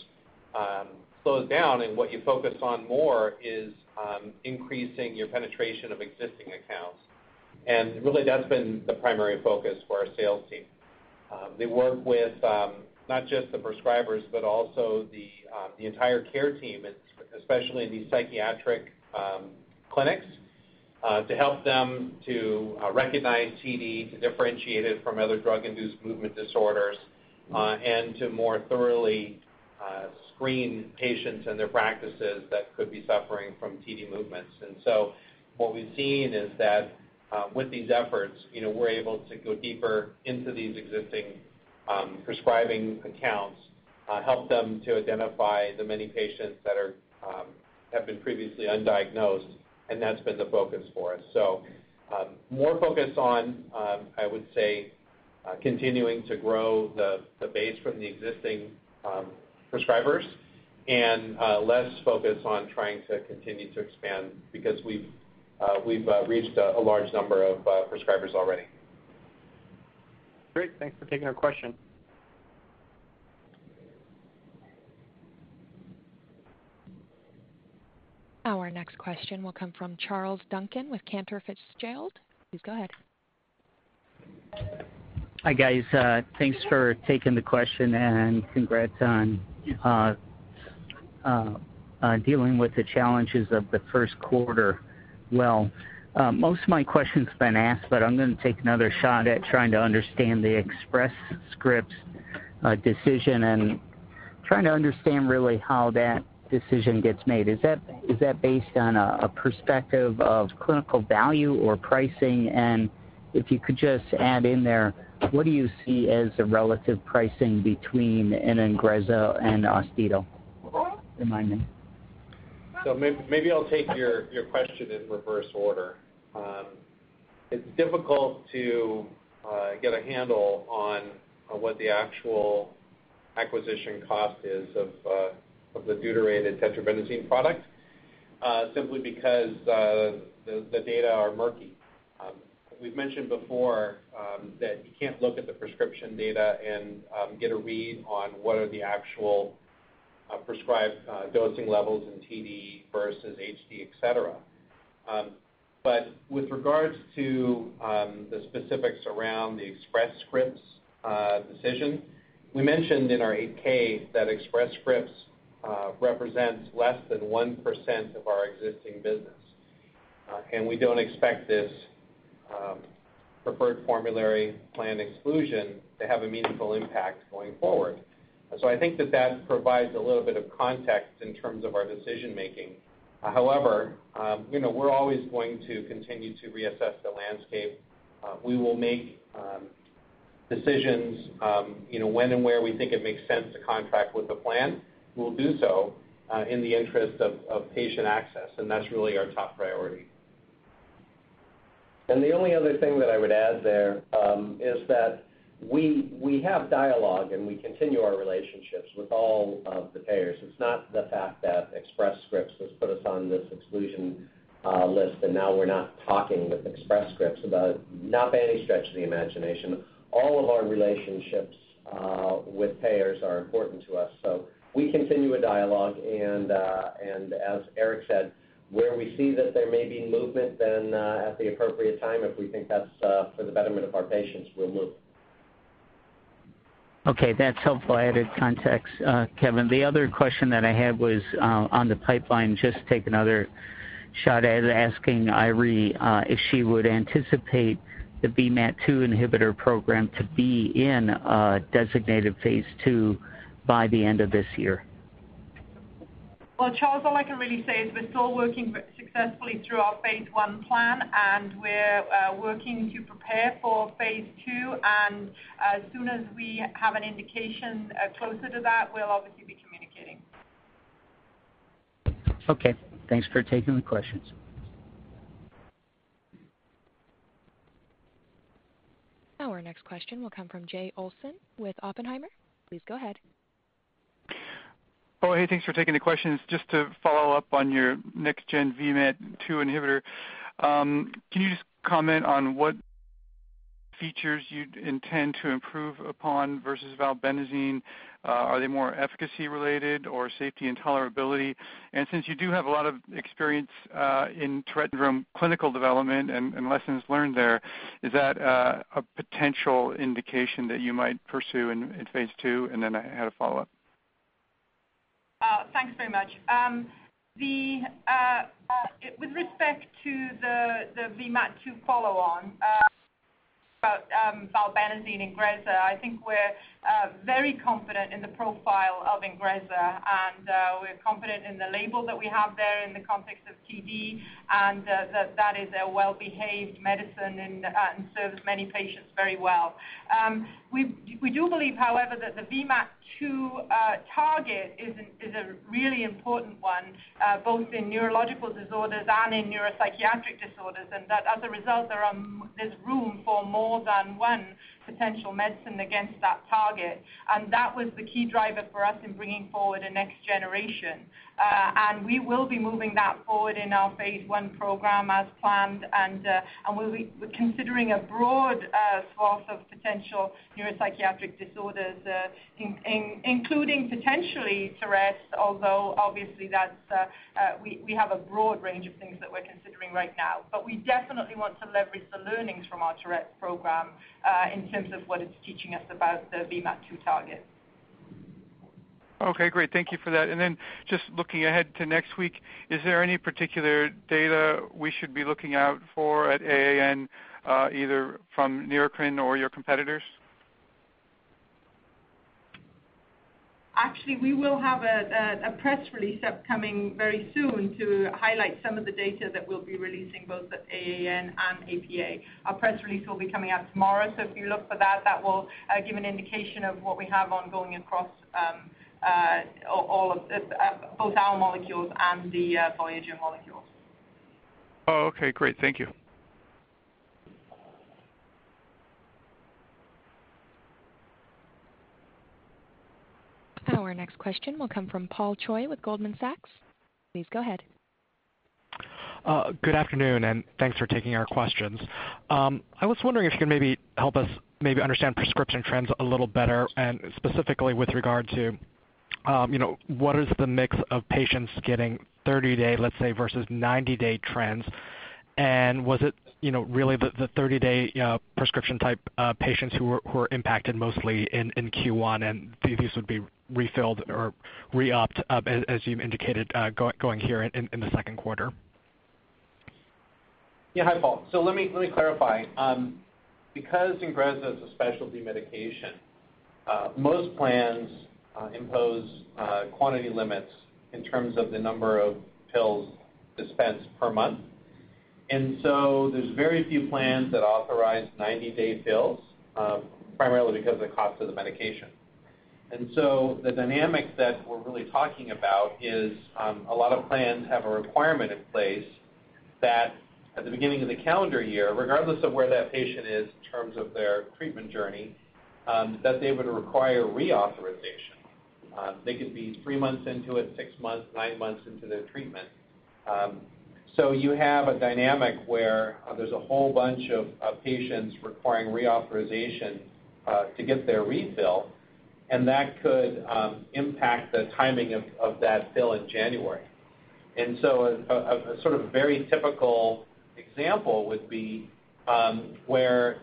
slows down and what you focus on more is increasing your penetration of existing accounts. That's been the primary focus for our sales team. They work with not just the prescribers, but also the entire care team, especially in these psychiatric clinics, to help them to recognize TD, to differentiate it from other drug-induced movement disorders To more thoroughly screen patients and their practices that could be suffering from TD movements. What we've seen is that with these efforts, we're able to go deeper into these existing prescribing accounts, help them to identify the many patients that have been previously undiagnosed, and that's been the focus for us. More focus on, I would say, continuing to grow the base from the existing prescribers and less focus on trying to continue to expand because we've reached a large number of prescribers already. Great. Thanks for taking our question. Our next question will come from Charles Duncan with Cantor Fitzgerald. Please go ahead. Hi, guys. Thanks for taking the question and congrats on dealing with the challenges of the first quarter. Most of my question's been asked, but I'm going to take another shot at trying to understand the Express Scripts decision and trying to understand really how that decision gets made. Is that based on a perspective of clinical value or pricing? If you could just add in there, what do you see as the relative pricing between an INGREZZA and Austedo? Remind me. Maybe I'll take your question in reverse order. It's difficult to get a handle on what the actual acquisition cost is of the deuterated tetrabenazine product, simply because the data are murky. We've mentioned before that you can't look at the prescription data and get a read on what are the actual prescribed dosing levels in TD versus HD, et cetera. With regards to the specifics around the Express Scripts decision, we mentioned in our 8-K that Express Scripts represents less than 1% of our existing business. We don't expect this preferred formulary plan exclusion to have a meaningful impact going forward. I think that that provides a little bit of context in terms of our decision-making. However, we're always going to continue to reassess the landscape. We will make decisions when and where we think it makes sense to contract with the plan. We'll do so in the interest of patient access, and that's really our top priority. The only other thing that I would add there is that we have dialogue and we continue our relationships with all of the payers. It's not the fact that Express Scripts has put us on this exclusion list, and now we're not talking with Express Scripts about it. Not by any stretch of the imagination. All of our relationships with payers are important to us. We continue a dialogue, and as Eric said, where we see that there may be movement, then at the appropriate time, if we think that's for the betterment of our patients, we'll move. Okay. That's helpful added context, Kevin. The other question that I had was on the pipeline, just take another shot at asking Eiry, if she would anticipate the VMAT2 inhibitor program to be in a designated phase II by the end of this year. Well, Charles, all I can really say is we're still working successfully through our phase I plan, and we're working to prepare for phase II, and as soon as we have an indication closer to that, we'll obviously be communicating. Okay. Thanks for taking the questions. Our next question will come from Jay Olson with Oppenheimer. Please go ahead. Thanks for taking the questions. Just to follow up on your next-gen VMAT2 inhibitor. Can you just comment on what features you'd intend to improve upon versus valbenazine? Are they more efficacy related or safety and tolerability? Since you do have a lot of experience in Tourette syndrome clinical development and lessons learned there, is that a potential indication that you might pursue in phase II? I had a follow-up. Thanks very much. With respect to the VMAT2 follow-on, about valbenazine INGREZZA, I think we're very confident in the profile of INGREZZA, we're confident in the label that we have there in the context of TD, and that that is a well-behaved medicine and serves many patients very well. We do believe, however, that the VMAT2 target is a really important one, both in neurological disorders and in neuropsychiatric disorders, and that as a result, there's room for more than one potential medicine against that target. That was the key driver for us in bringing forward a next generation. We will be moving that forward in our phase I program as planned, we'll be considering a broad swath of potential neuropsychiatric disorders, including potentially Tourette's, although obviously we have a broad range of things that we're considering right now. We definitely want to leverage the learnings from our Tourette's program in terms of what it's teaching us about the VMAT2 target. Okay, great. Thank you for that. Just looking ahead to next week, is there any particular data we should be looking out for at AAN, either from Neurocrine or your competitors? We will have a press release upcoming very soon to highlight some of the data that we'll be releasing both at AAN and APA. Our press release will be coming out tomorrow, if you look for that will give an indication of what we have ongoing across both our molecules and the Voyager molecules. Oh, okay. Great. Thank you. Our next question will come from Paul Choi with Goldman Sachs. Please go ahead. Good afternoon, thanks for taking our questions. I was wondering if you could maybe help us maybe understand prescription trends a little better, specifically with regard to what is the mix of patients getting 30-day, let's say, versus 90-day trends? Was it really the 30-day prescription type patients who were impacted mostly in Q1, and these would be refilled or re-upped, as you indicated, going here in the second quarter? Yeah. Hi, Paul. Let me clarify. Because INGREZZA is a specialty medication, most plans impose quantity limits in terms of the number of pills dispensed per month. There's very few plans that authorize 90-day fills, primarily because of the cost of the medication. The dynamic that we're really talking about is a lot of plans have a requirement in place that at the beginning of the calendar year, regardless of where that patient is in terms of their treatment journey, that they would require reauthorization. They could be three months into it, six months, nine months into their treatment. You have a dynamic where there's a whole bunch of patients requiring reauthorization to get their refill, and that could impact the timing of that fill in January. A sort of very typical example would be where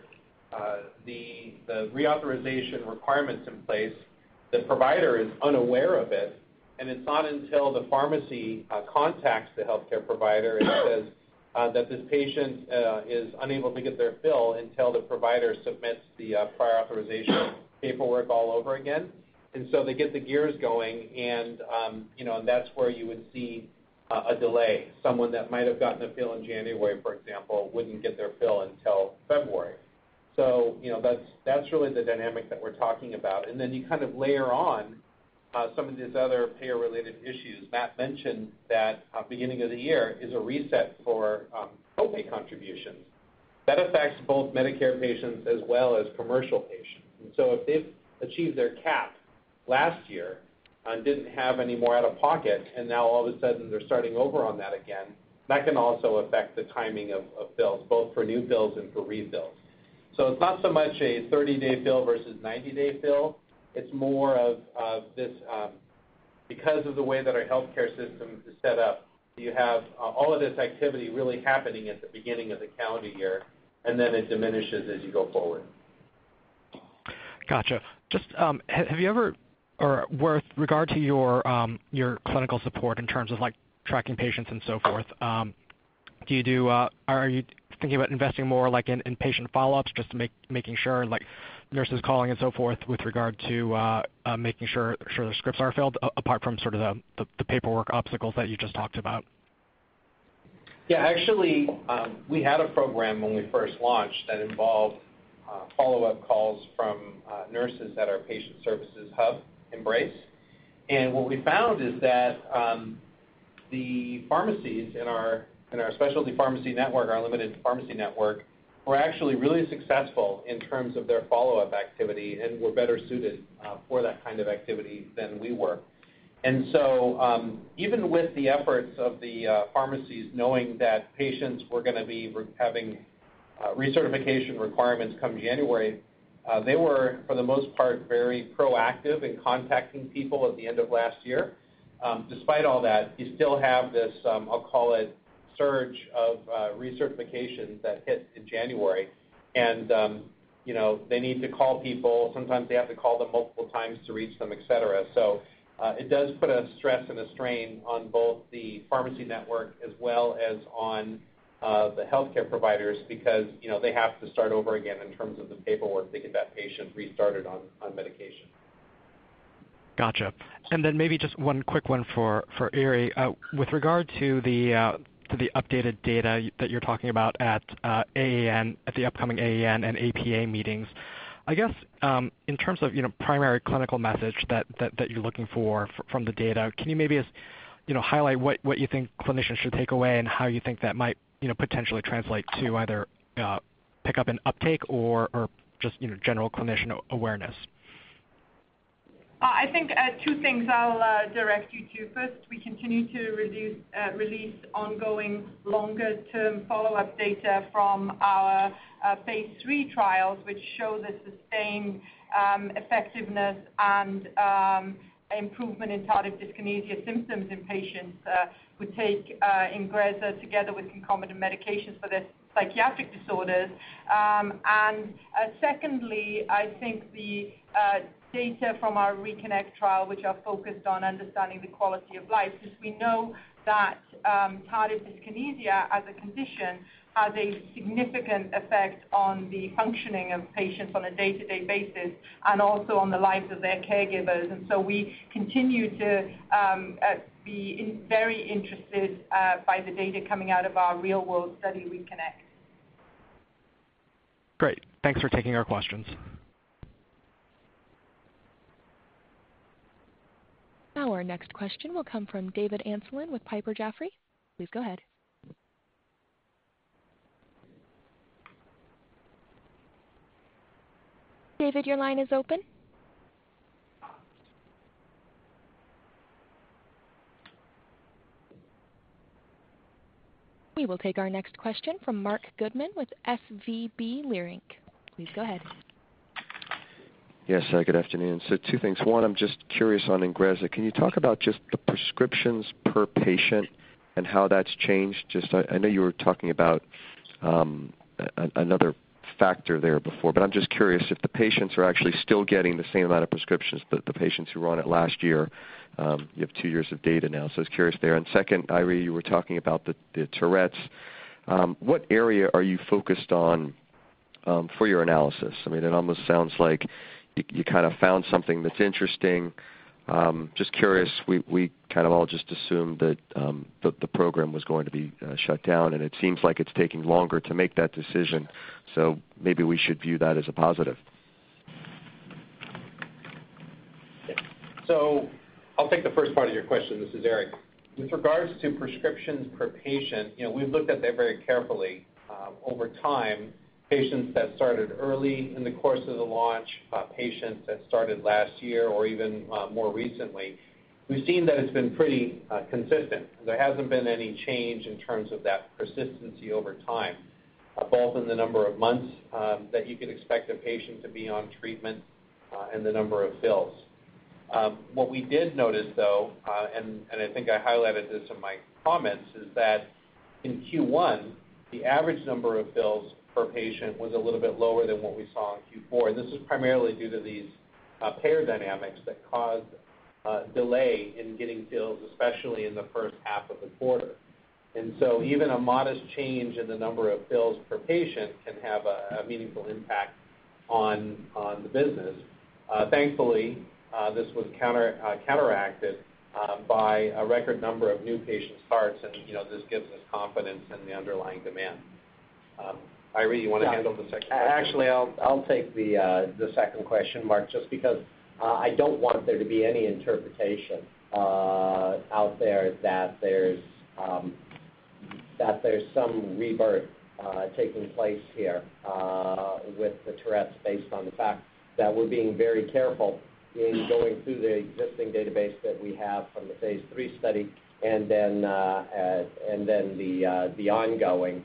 the reauthorization requirement's in place, the provider is unaware of it, and it's not until the pharmacy contacts the healthcare provider and says that this patient is unable to get their fill until the provider submits the prior authorization paperwork all over again. They get the gears going, and that's where you would see a delay. Someone that might have gotten a fill in January, for example, wouldn't get their fill until February. That's really the dynamic that we're talking about. Then you kind of layer on some of these other payer-related issues. Matt mentioned that beginning of the year is a reset for copay contributions. That affects both Medicare patients as well as commercial patients. If they've achieved their cap last year and didn't have any more out of pocket, and now all of a sudden they're starting over on that again, that can also affect the timing of fills, both for new fills and for refills. It's not so much a 30-day fill versus 90-day fill. It's more of this, because of the way that our healthcare system is set up, you have all of this activity really happening at the beginning of the calendar year, and then it diminishes as you go forward. Got you. With regard to your clinical support in terms of tracking patients and so forth, are you thinking about investing more in patient follow-ups, just making sure, like nurses calling and so forth, with regard to making sure their scripts are filled, apart from sort of the paperwork obstacles that you just talked about? Actually, we had a program when we first launched that involved follow-up calls from nurses at our patient services hub, Neurocrine Access Support. What we found is that the pharmacies in our specialty pharmacy network, our limited pharmacy network, were actually really successful in terms of their follow-up activity and were better suited for that kind of activity than we were. Even with the efforts of the pharmacies knowing that patients were going to be having recertification requirements come January, they were, for the most part, very proactive in contacting people at the end of last year. Despite all that, you still have this, I'll call it, surge of recertifications that hit in January. They need to call people. Sometimes they have to call them multiple times to reach them, et cetera. It does put a stress and a strain on both the pharmacy network as well as on the healthcare providers, because they have to start over again in terms of the paperwork to get that patient restarted on medication. Got you. Then maybe just one quick one for Eiry. With regard to the updated data that you're talking about at the upcoming AAN and APA meetings, I guess, in terms of primary clinical message that you're looking for from the data, can you maybe just highlight what you think clinicians should take away and how you think that might potentially translate to either pick up an uptake or just general clinician awareness? I think two things I'll direct you to. First, we continue to release ongoing longer-term follow-up data from our phase III trials, which show the sustained effectiveness and improvement in tardive dyskinesia symptoms in patients who take INGREZZA together with concomitant medications for their psychiatric disorders. Secondly, I think the data from our RECONNECT trial, which are focused on understanding the quality of life, because we know that tardive dyskinesia as a condition has a significant effect on the functioning of patients on a day-to-day basis, and also on the lives of their caregivers. So we continue to be very interested by the data coming out of our real-world study RECONNECT. Great. Thanks for taking our questions. Our next question will come from David Amsellem with Piper Jaffray. Please go ahead. David, your line is open. We will take our next question from Marc Goodman with SVB Leerink. Please go ahead. Yes. Good afternoon. Two things. One, I'm just curious on INGREZZA. Can you talk about just the prescriptions per patient and how that's changed? I know you were talking about another factor there before, but I'm just curious if the patients are actually still getting the same amount of prescriptions that the patients who were on it last year. You have two years of data now, so I was curious there. Second, Eiry, you were talking about Tourette's. What area are you focused on for your analysis? It almost sounds like you kind of found something that's interesting. Just curious, we kind of all just assumed that the program was going to be shut down, and it seems like it's taking longer to make that decision, so maybe we should view that as a positive. I'll take the first part of your question. This is Eric. With regards to prescriptions per patient, we've looked at that very carefully over time. Patients that started early in the course of the launch, patients that started last year or even more recently, we've seen that it's been pretty consistent. There hasn't been any change in terms of that persistency over time, both in the number of months that you could expect a patient to be on treatment and the number of fills. What we did notice, though, and I think I highlighted this in my comments, is that in Q1, the average number of fills per patient was a little bit lower than what we saw in Q4, and this is primarily due to these payer dynamics that caused a delay in getting fills, especially in the first half of the quarter. Even a modest change in the number of fills per patient can have a meaningful impact on the business. Thankfully, this was counteracted by a record number of new patient starts, this gives us confidence in the underlying demand. Eiry, you want to handle the second question? Actually, I'll take the second question, Marc, just because I don't want there to be any interpretation out there that there's some rebirth taking place here with the Tourette's based on the fact that we're being very careful in going through the existing database that we have from the Phase III study and then the ongoing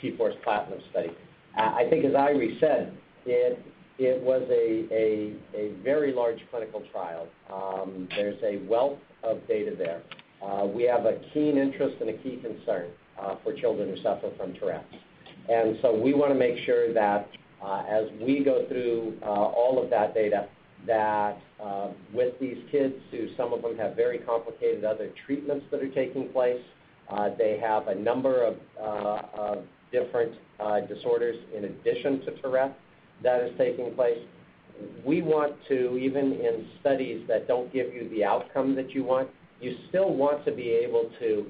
T-Force PLATINUM study. I think as Eiry said, it was a very large clinical trial. There's a wealth of data there. We have a keen interest and a key concern for children who suffer from Tourette's. We want to make sure that as we go through all of that data, that with these kids who some of them have very complicated other treatments that are taking place, they have a number of different disorders in addition to Tourette's that is taking place. Even in studies that don't give you the outcome that you want, you still want to be able to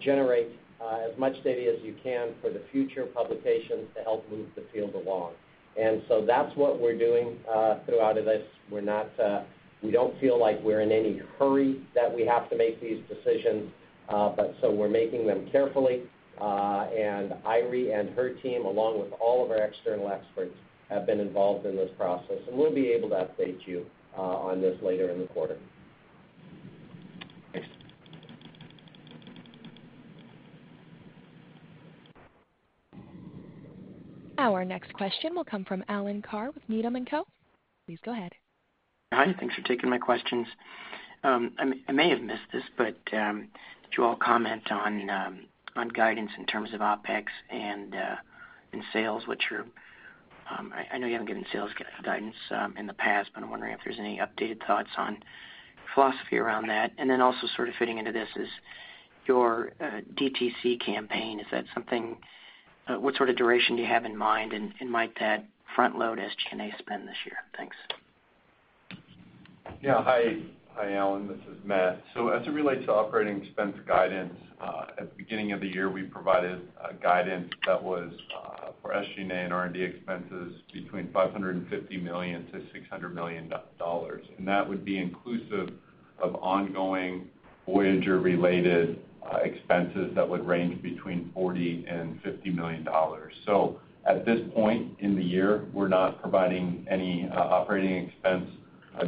generate as much data as you can for the future publications to help move the field along. That's what we're doing throughout this. We don't feel like we're in any hurry that we have to make these decisions, so we're making them carefully. Eiry and her team, along with all of our external experts, have been involved in this process, and we'll be able to update you on this later in the quarter. Thanks. Our next question will come from Alan Carr with Needham & Company. Please go ahead. Hi, thanks for taking my questions. I may have missed this, did you all comment on guidance in terms of OpEx and in sales? I know you haven't given sales guidance in the past, I'm wondering if there's any updated thoughts on philosophy around that. Also sort of fitting into this is your DTC campaign. What sort of duration do you have in mind, might that front-load SG&A spend this year? Thanks. Hi, Alan. This is Matt. As it relates to operating expense guidance, at the beginning of the year, we provided guidance that was for SG&A and R&D expenses between $550 million-$600 million. That would be inclusive Of ongoing Voyager-related expenses that would range between $40 million-$50 million. At this point in the year, we're not providing any operating expense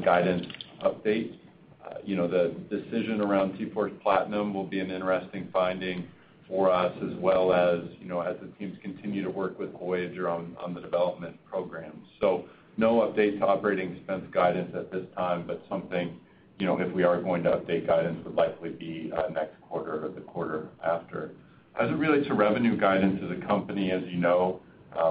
guidance updates. The decision around T-Force PLATINUM will be an interesting finding for us as well as the teams continue to work with Voyager on the development program. No updates to operating expense guidance at this time, something if we are going to update guidance, would likely be next quarter or the quarter after. As it relates to revenue guidance to the company, as you know,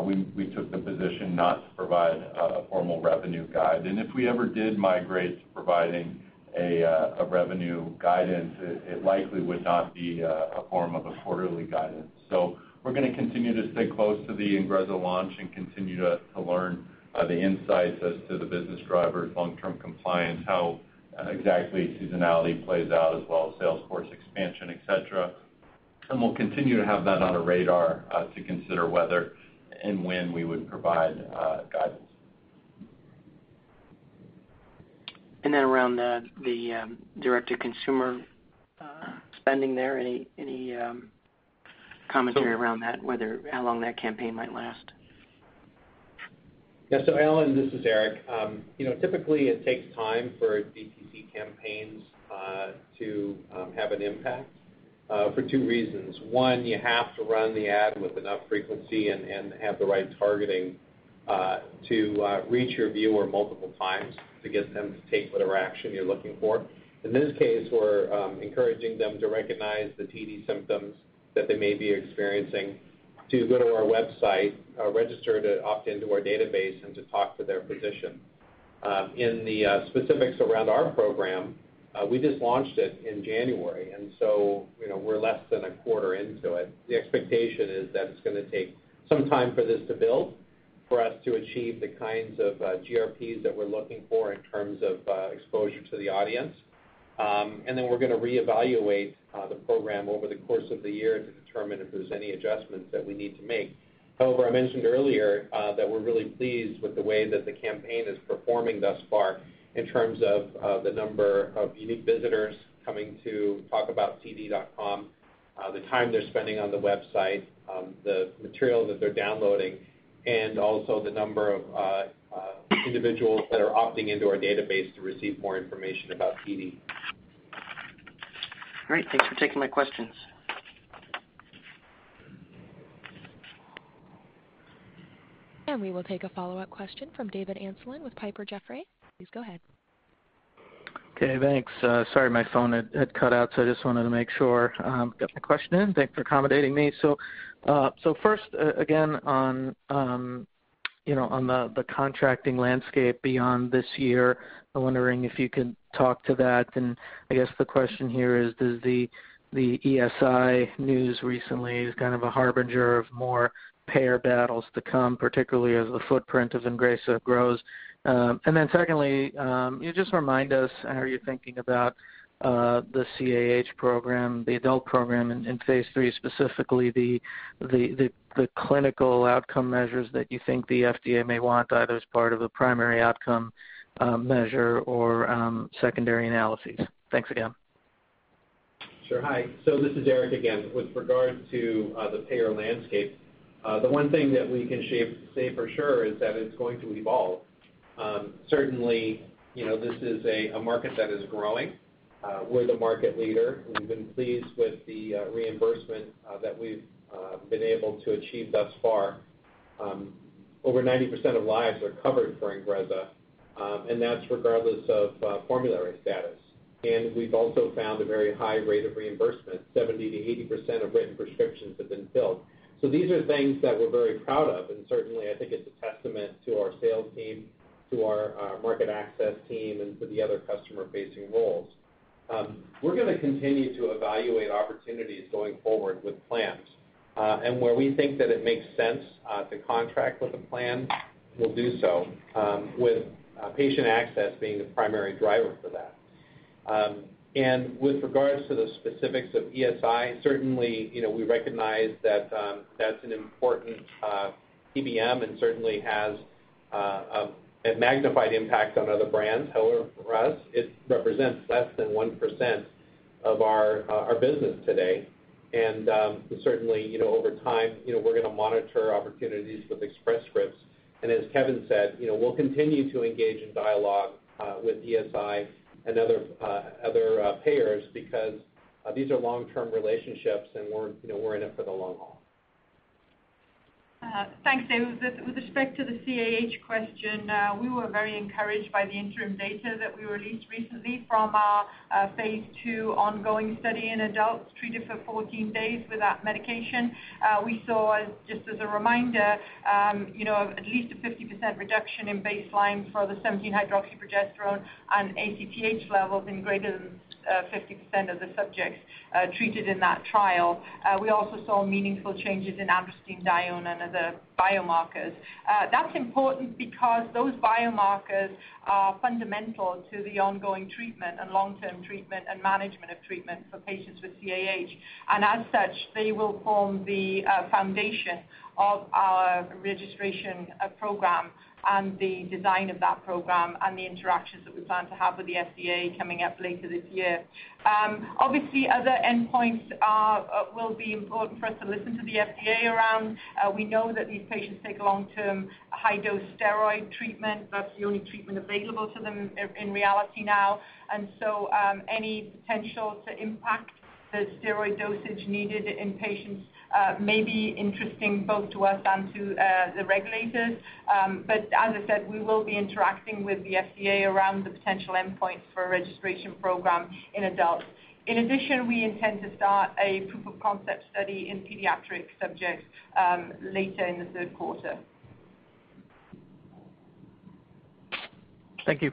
we took the position not to provide a formal revenue guide. If we ever did migrate to providing a revenue guidance, it likely would not be a form of a quarterly guidance. We're going to continue to stay close to the INGREZZA launch and continue to learn the insights as to the business drivers, long-term compliance, how exactly seasonality plays out, as well as sales force expansion, et cetera. We'll continue to have that on our radar to consider whether and when we would provide guidance. Around the direct-to-consumer spending there, any commentary around that, how long that campaign might last? Yeah. So Alan, this is Eric Benevich. Typically, it takes time for DTC campaigns to have an impact for two reasons. One, you have to run the ad with enough frequency and have the right targeting to reach your viewer multiple times to get them to take whatever action you're looking for. In this case, we're encouraging them to recognize the TD symptoms that they may be experiencing, to go to our website, register to opt into our database, and to talk to their physician. In the specifics around our program, we just launched it in January, and so we're less than a quarter into it. The expectation is that it's going to take some time for this to build for us to achieve the kinds of GRPs that we're looking for in terms of exposure to the audience. We're going to reevaluate the program over the course of the year to determine if there's any adjustments that we need to make. However, I mentioned earlier that we're really pleased with the way that the campaign is performing thus far in terms of the number of unique visitors coming to talkabouttd.com, the time they're spending on the website, the material that they're downloading, and also the number of individuals that are opting into our database to receive more information about TD. All right. Thanks for taking my questions. We will take a follow-up question from David Amsellem with Piper Jaffray. Please go ahead. Okay, thanks. Sorry, my phone had cut out, so I just wanted to make sure I got my question in. Thanks for accommodating me. First, again on the contracting landscape beyond this year, I'm wondering if you could talk to that. I guess the question here is, does the ESI news recently as kind of a harbinger of more payer battles to come, particularly as the footprint of INGREZZA grows? Secondly, can you just remind us how you're thinking about the CAH program, the adult program in phase III, specifically the clinical outcome measures that you think the FDA may want, either as part of a primary outcome measure or secondary analyses? Thanks again. Sure. Hi. This is Eric again. With regard to the payer landscape, the one thing that we can say for sure is that it's going to evolve. Certainly, this is a market that is growing. We're the market leader. We've been pleased with the reimbursement that we've been able to achieve thus far. Over 90% of lives are covered for INGREZZA, and that's regardless of formulary status. We've also found a very high rate of reimbursement. 70%-80% of written prescriptions have been filled. These are things that we're very proud of, and certainly, I think it's a testament to our sales team, to our market access team, and to the other customer-facing roles. We're going to continue to evaluate opportunities going forward with plans. Where we think that it makes sense to contract with a plan, we'll do so with patient access being the primary driver for that. With regards to the specifics of ESI, certainly, we recognize that that's an important PBM and certainly has a magnified impact on other brands. However, for us, it represents less than 1% of our business today. Certainly over time, we're going to monitor opportunities with Express Scripts. As Kevin said, we'll continue to engage in dialogue with ESI and other payers because these are long-term relationships, and we're in it for the long haul. Thanks, Dave. With respect to the CAH question, we were very encouraged by the interim data that we released recently from our phase II ongoing study in adults treated for 14 days with that medication. We saw, just as a reminder, at least a 50% reduction in baseline for the 17-hydroxyprogesterone and ACTH levels in greater than 50% of the subjects treated in that trial. We also saw meaningful changes in androstenedione and other biomarkers. That's important because those biomarkers are fundamental to the ongoing treatment and long-term treatment and management of treatment for patients with CAH, and as such, they will form the foundation of our registration program and the design of that program and the interactions that we plan to have with the FDA coming up later this year. Other endpoints will be important for us to listen to the FDA around. We know that these patients take long-term, high-dose steroid treatment. That's the only treatment available to them in reality now. Any potential to impact the steroid dosage needed in patients may be interesting both to us and to the regulators. As I said, we will be interacting with the FDA around the potential endpoints for a registration program in adults. In addition, we intend to start a proof-of-concept study in pediatric subjects later in the third quarter. Thank you.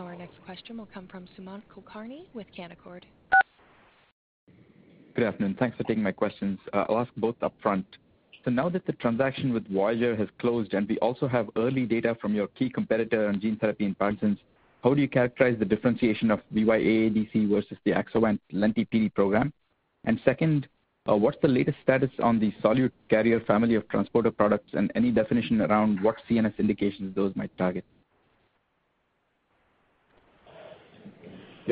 Our next question will come from Sumant Kulkarni with Canaccord. Good afternoon. Thanks for taking my questions. I'll ask both upfront. Now that the transaction with Voyager has closed, and we also have early data from your key competitor on gene therapy in Parkinson's, how do you characterize the differentiation of VY-AADC versus the Axovant AXO-Lenti-PD program? Second, what's the latest status on the solute carrier family of transporter products and any definition around what CNS indications those might target?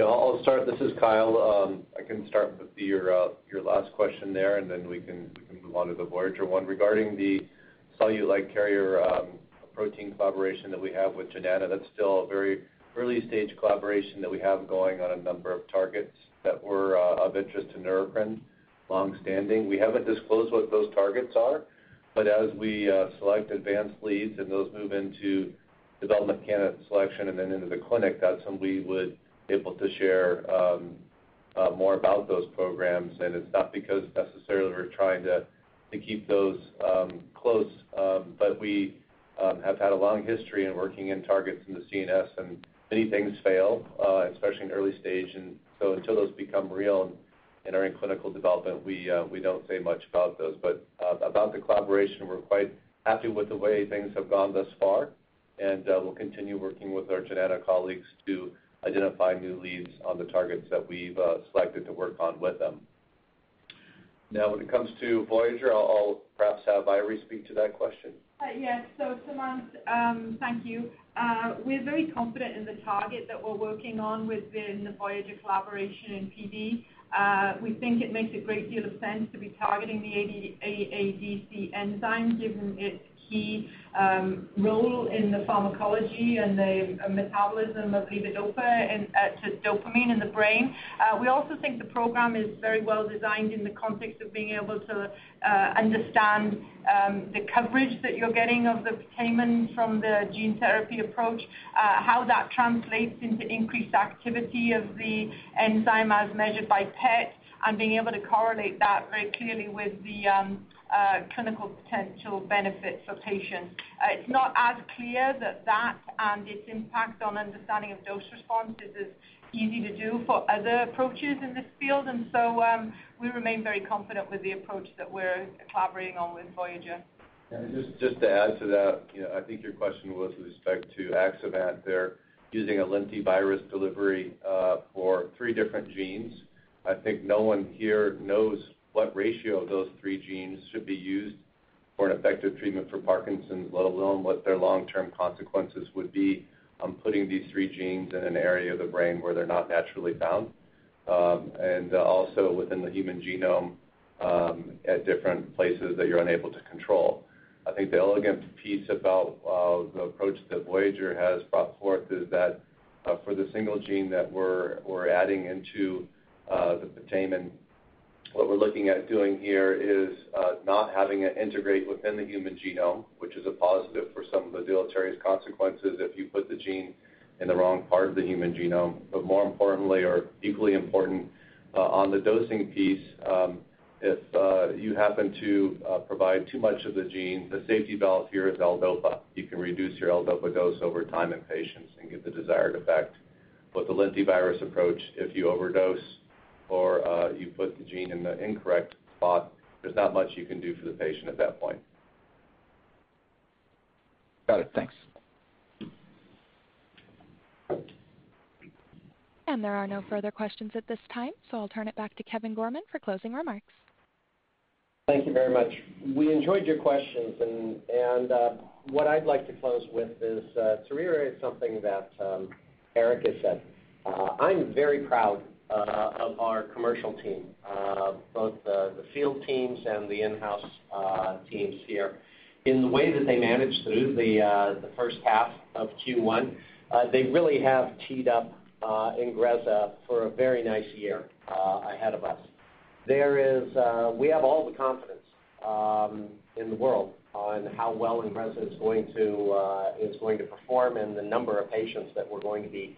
I'll start. This is Kyle. I can start with your last question there, and then we can move on to the Voyager one. Regarding the solute carrier protein collaboration that we have with Jnana, that's still a very early-stage collaboration that we have going on a number of targets that were of interest to Neurocrine, long-standing. We haven't disclosed what those targets are, as we select advanced leads and those move into development candidate selection and then into the clinic, that's when we would be able to share more about those programs. It's not because necessarily we're trying to keep those close. We have had a long history in working in targets in the CNS, and many things fail, especially in early stage. Until those become real and are in clinical development, we don't say much about those. About the collaboration, we're quite happy with the way things have gone thus far, and we'll continue working with our Jnana colleagues to identify new leads on the targets that we've selected to work on with them. When it comes to Voyager, I'll perhaps have Eiry speak to that question. Yes. Sumant, thank you. We're very confident in the target that we're working on within the Voyager collaboration in PD. We think it makes a great deal of sense to be targeting the AADC enzyme, given its key role in the pharmacology and the metabolism of levodopa to dopamine in the brain. We also think the program is very well designed in the context of being able to understand the coverage that you're getting of the putamen from the gene therapy approach, how that translates into increased activity of the enzyme as measured by PET, and being able to correlate that very clearly with the clinical potential benefits for patients. It's not as clear that that and its impact on understanding of dose responses is as easy to do for other approaches in this field. We remain very confident with the approach that we're collaborating on with Voyager. Just to add to that, I think your question was with respect to Axovant, they're using a lentivirus delivery for three different genes. I think no one here knows what ratio of those three genes should be used for an effective treatment for Parkinson's, let alone what their long-term consequences would be on putting these three genes in an area of the brain where they're not naturally found, and also within the human genome at different places that you're unable to control. I think the elegant piece about the approach that Voyager has brought forth is that for the single gene that we're adding into the putamen, what we're looking at doing here is not having it integrate within the human genome, which is a positive for some of the deleterious consequences if you put the gene in the wrong part of the human genome. More importantly, or equally important, on the dosing piece, if you happen to provide too much of the gene, the safety valve here is L-DOPA. You can reduce your L-DOPA dose over time in patients and get the desired effect. The lentivirus approach, if you overdose or you put the gene in the incorrect spot, there's not much you can do for the patient at that point. Got it. Thanks. There are no further questions at this time, so I'll turn it back to Kevin Gorman for closing remarks. Thank you very much. We enjoyed your questions, and what I'd like to close with is to reiterate something that Eric has said. I'm very proud of our commercial team, both the field teams and the in-house teams here. In the way that they managed through the first half of Q1, they really have teed up INGREZZA for a very nice year ahead of us. We have all the confidence in the world on how well INGREZZA is going to perform and the number of patients that we're going to be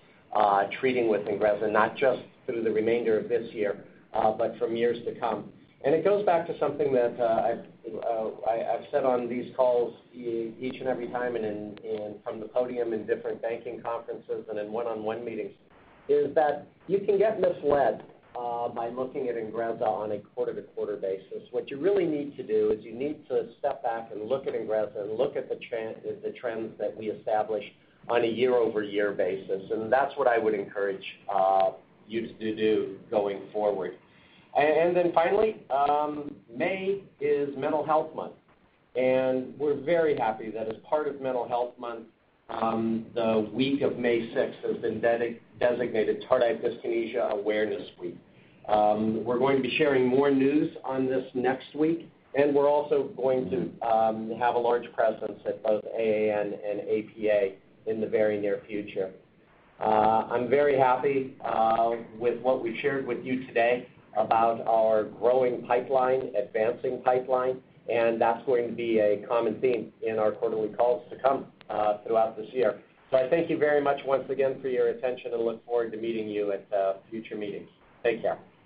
treating with INGREZZA, not just through the remainder of this year, but for years to come. It goes back to something that I've said on these calls each and every time and from the podium in different banking conferences and in one-on-one meetings, is that you can get misled by looking at INGREZZA on a quarter-to-quarter basis. What you really need to do is you need to step back and look at INGREZZA and look at the trends that we establish on a year-over-year basis. That's what I would encourage you to do going forward. Finally, May is Mental Health Month, and we're very happy that as part of Mental Health Month, the week of May 6th has been designated Tardive Dyskinesia Awareness Week. We're going to be sharing more news on this next week, and we're also going to have a large presence at both AAN and APA in the very near future. I'm very happy with what we shared with you today about our growing pipeline, advancing pipeline, and that's going to be a common theme in our quarterly calls to come throughout this year. I thank you very much once again for your attention and look forward to meeting you at future meetings. Take care.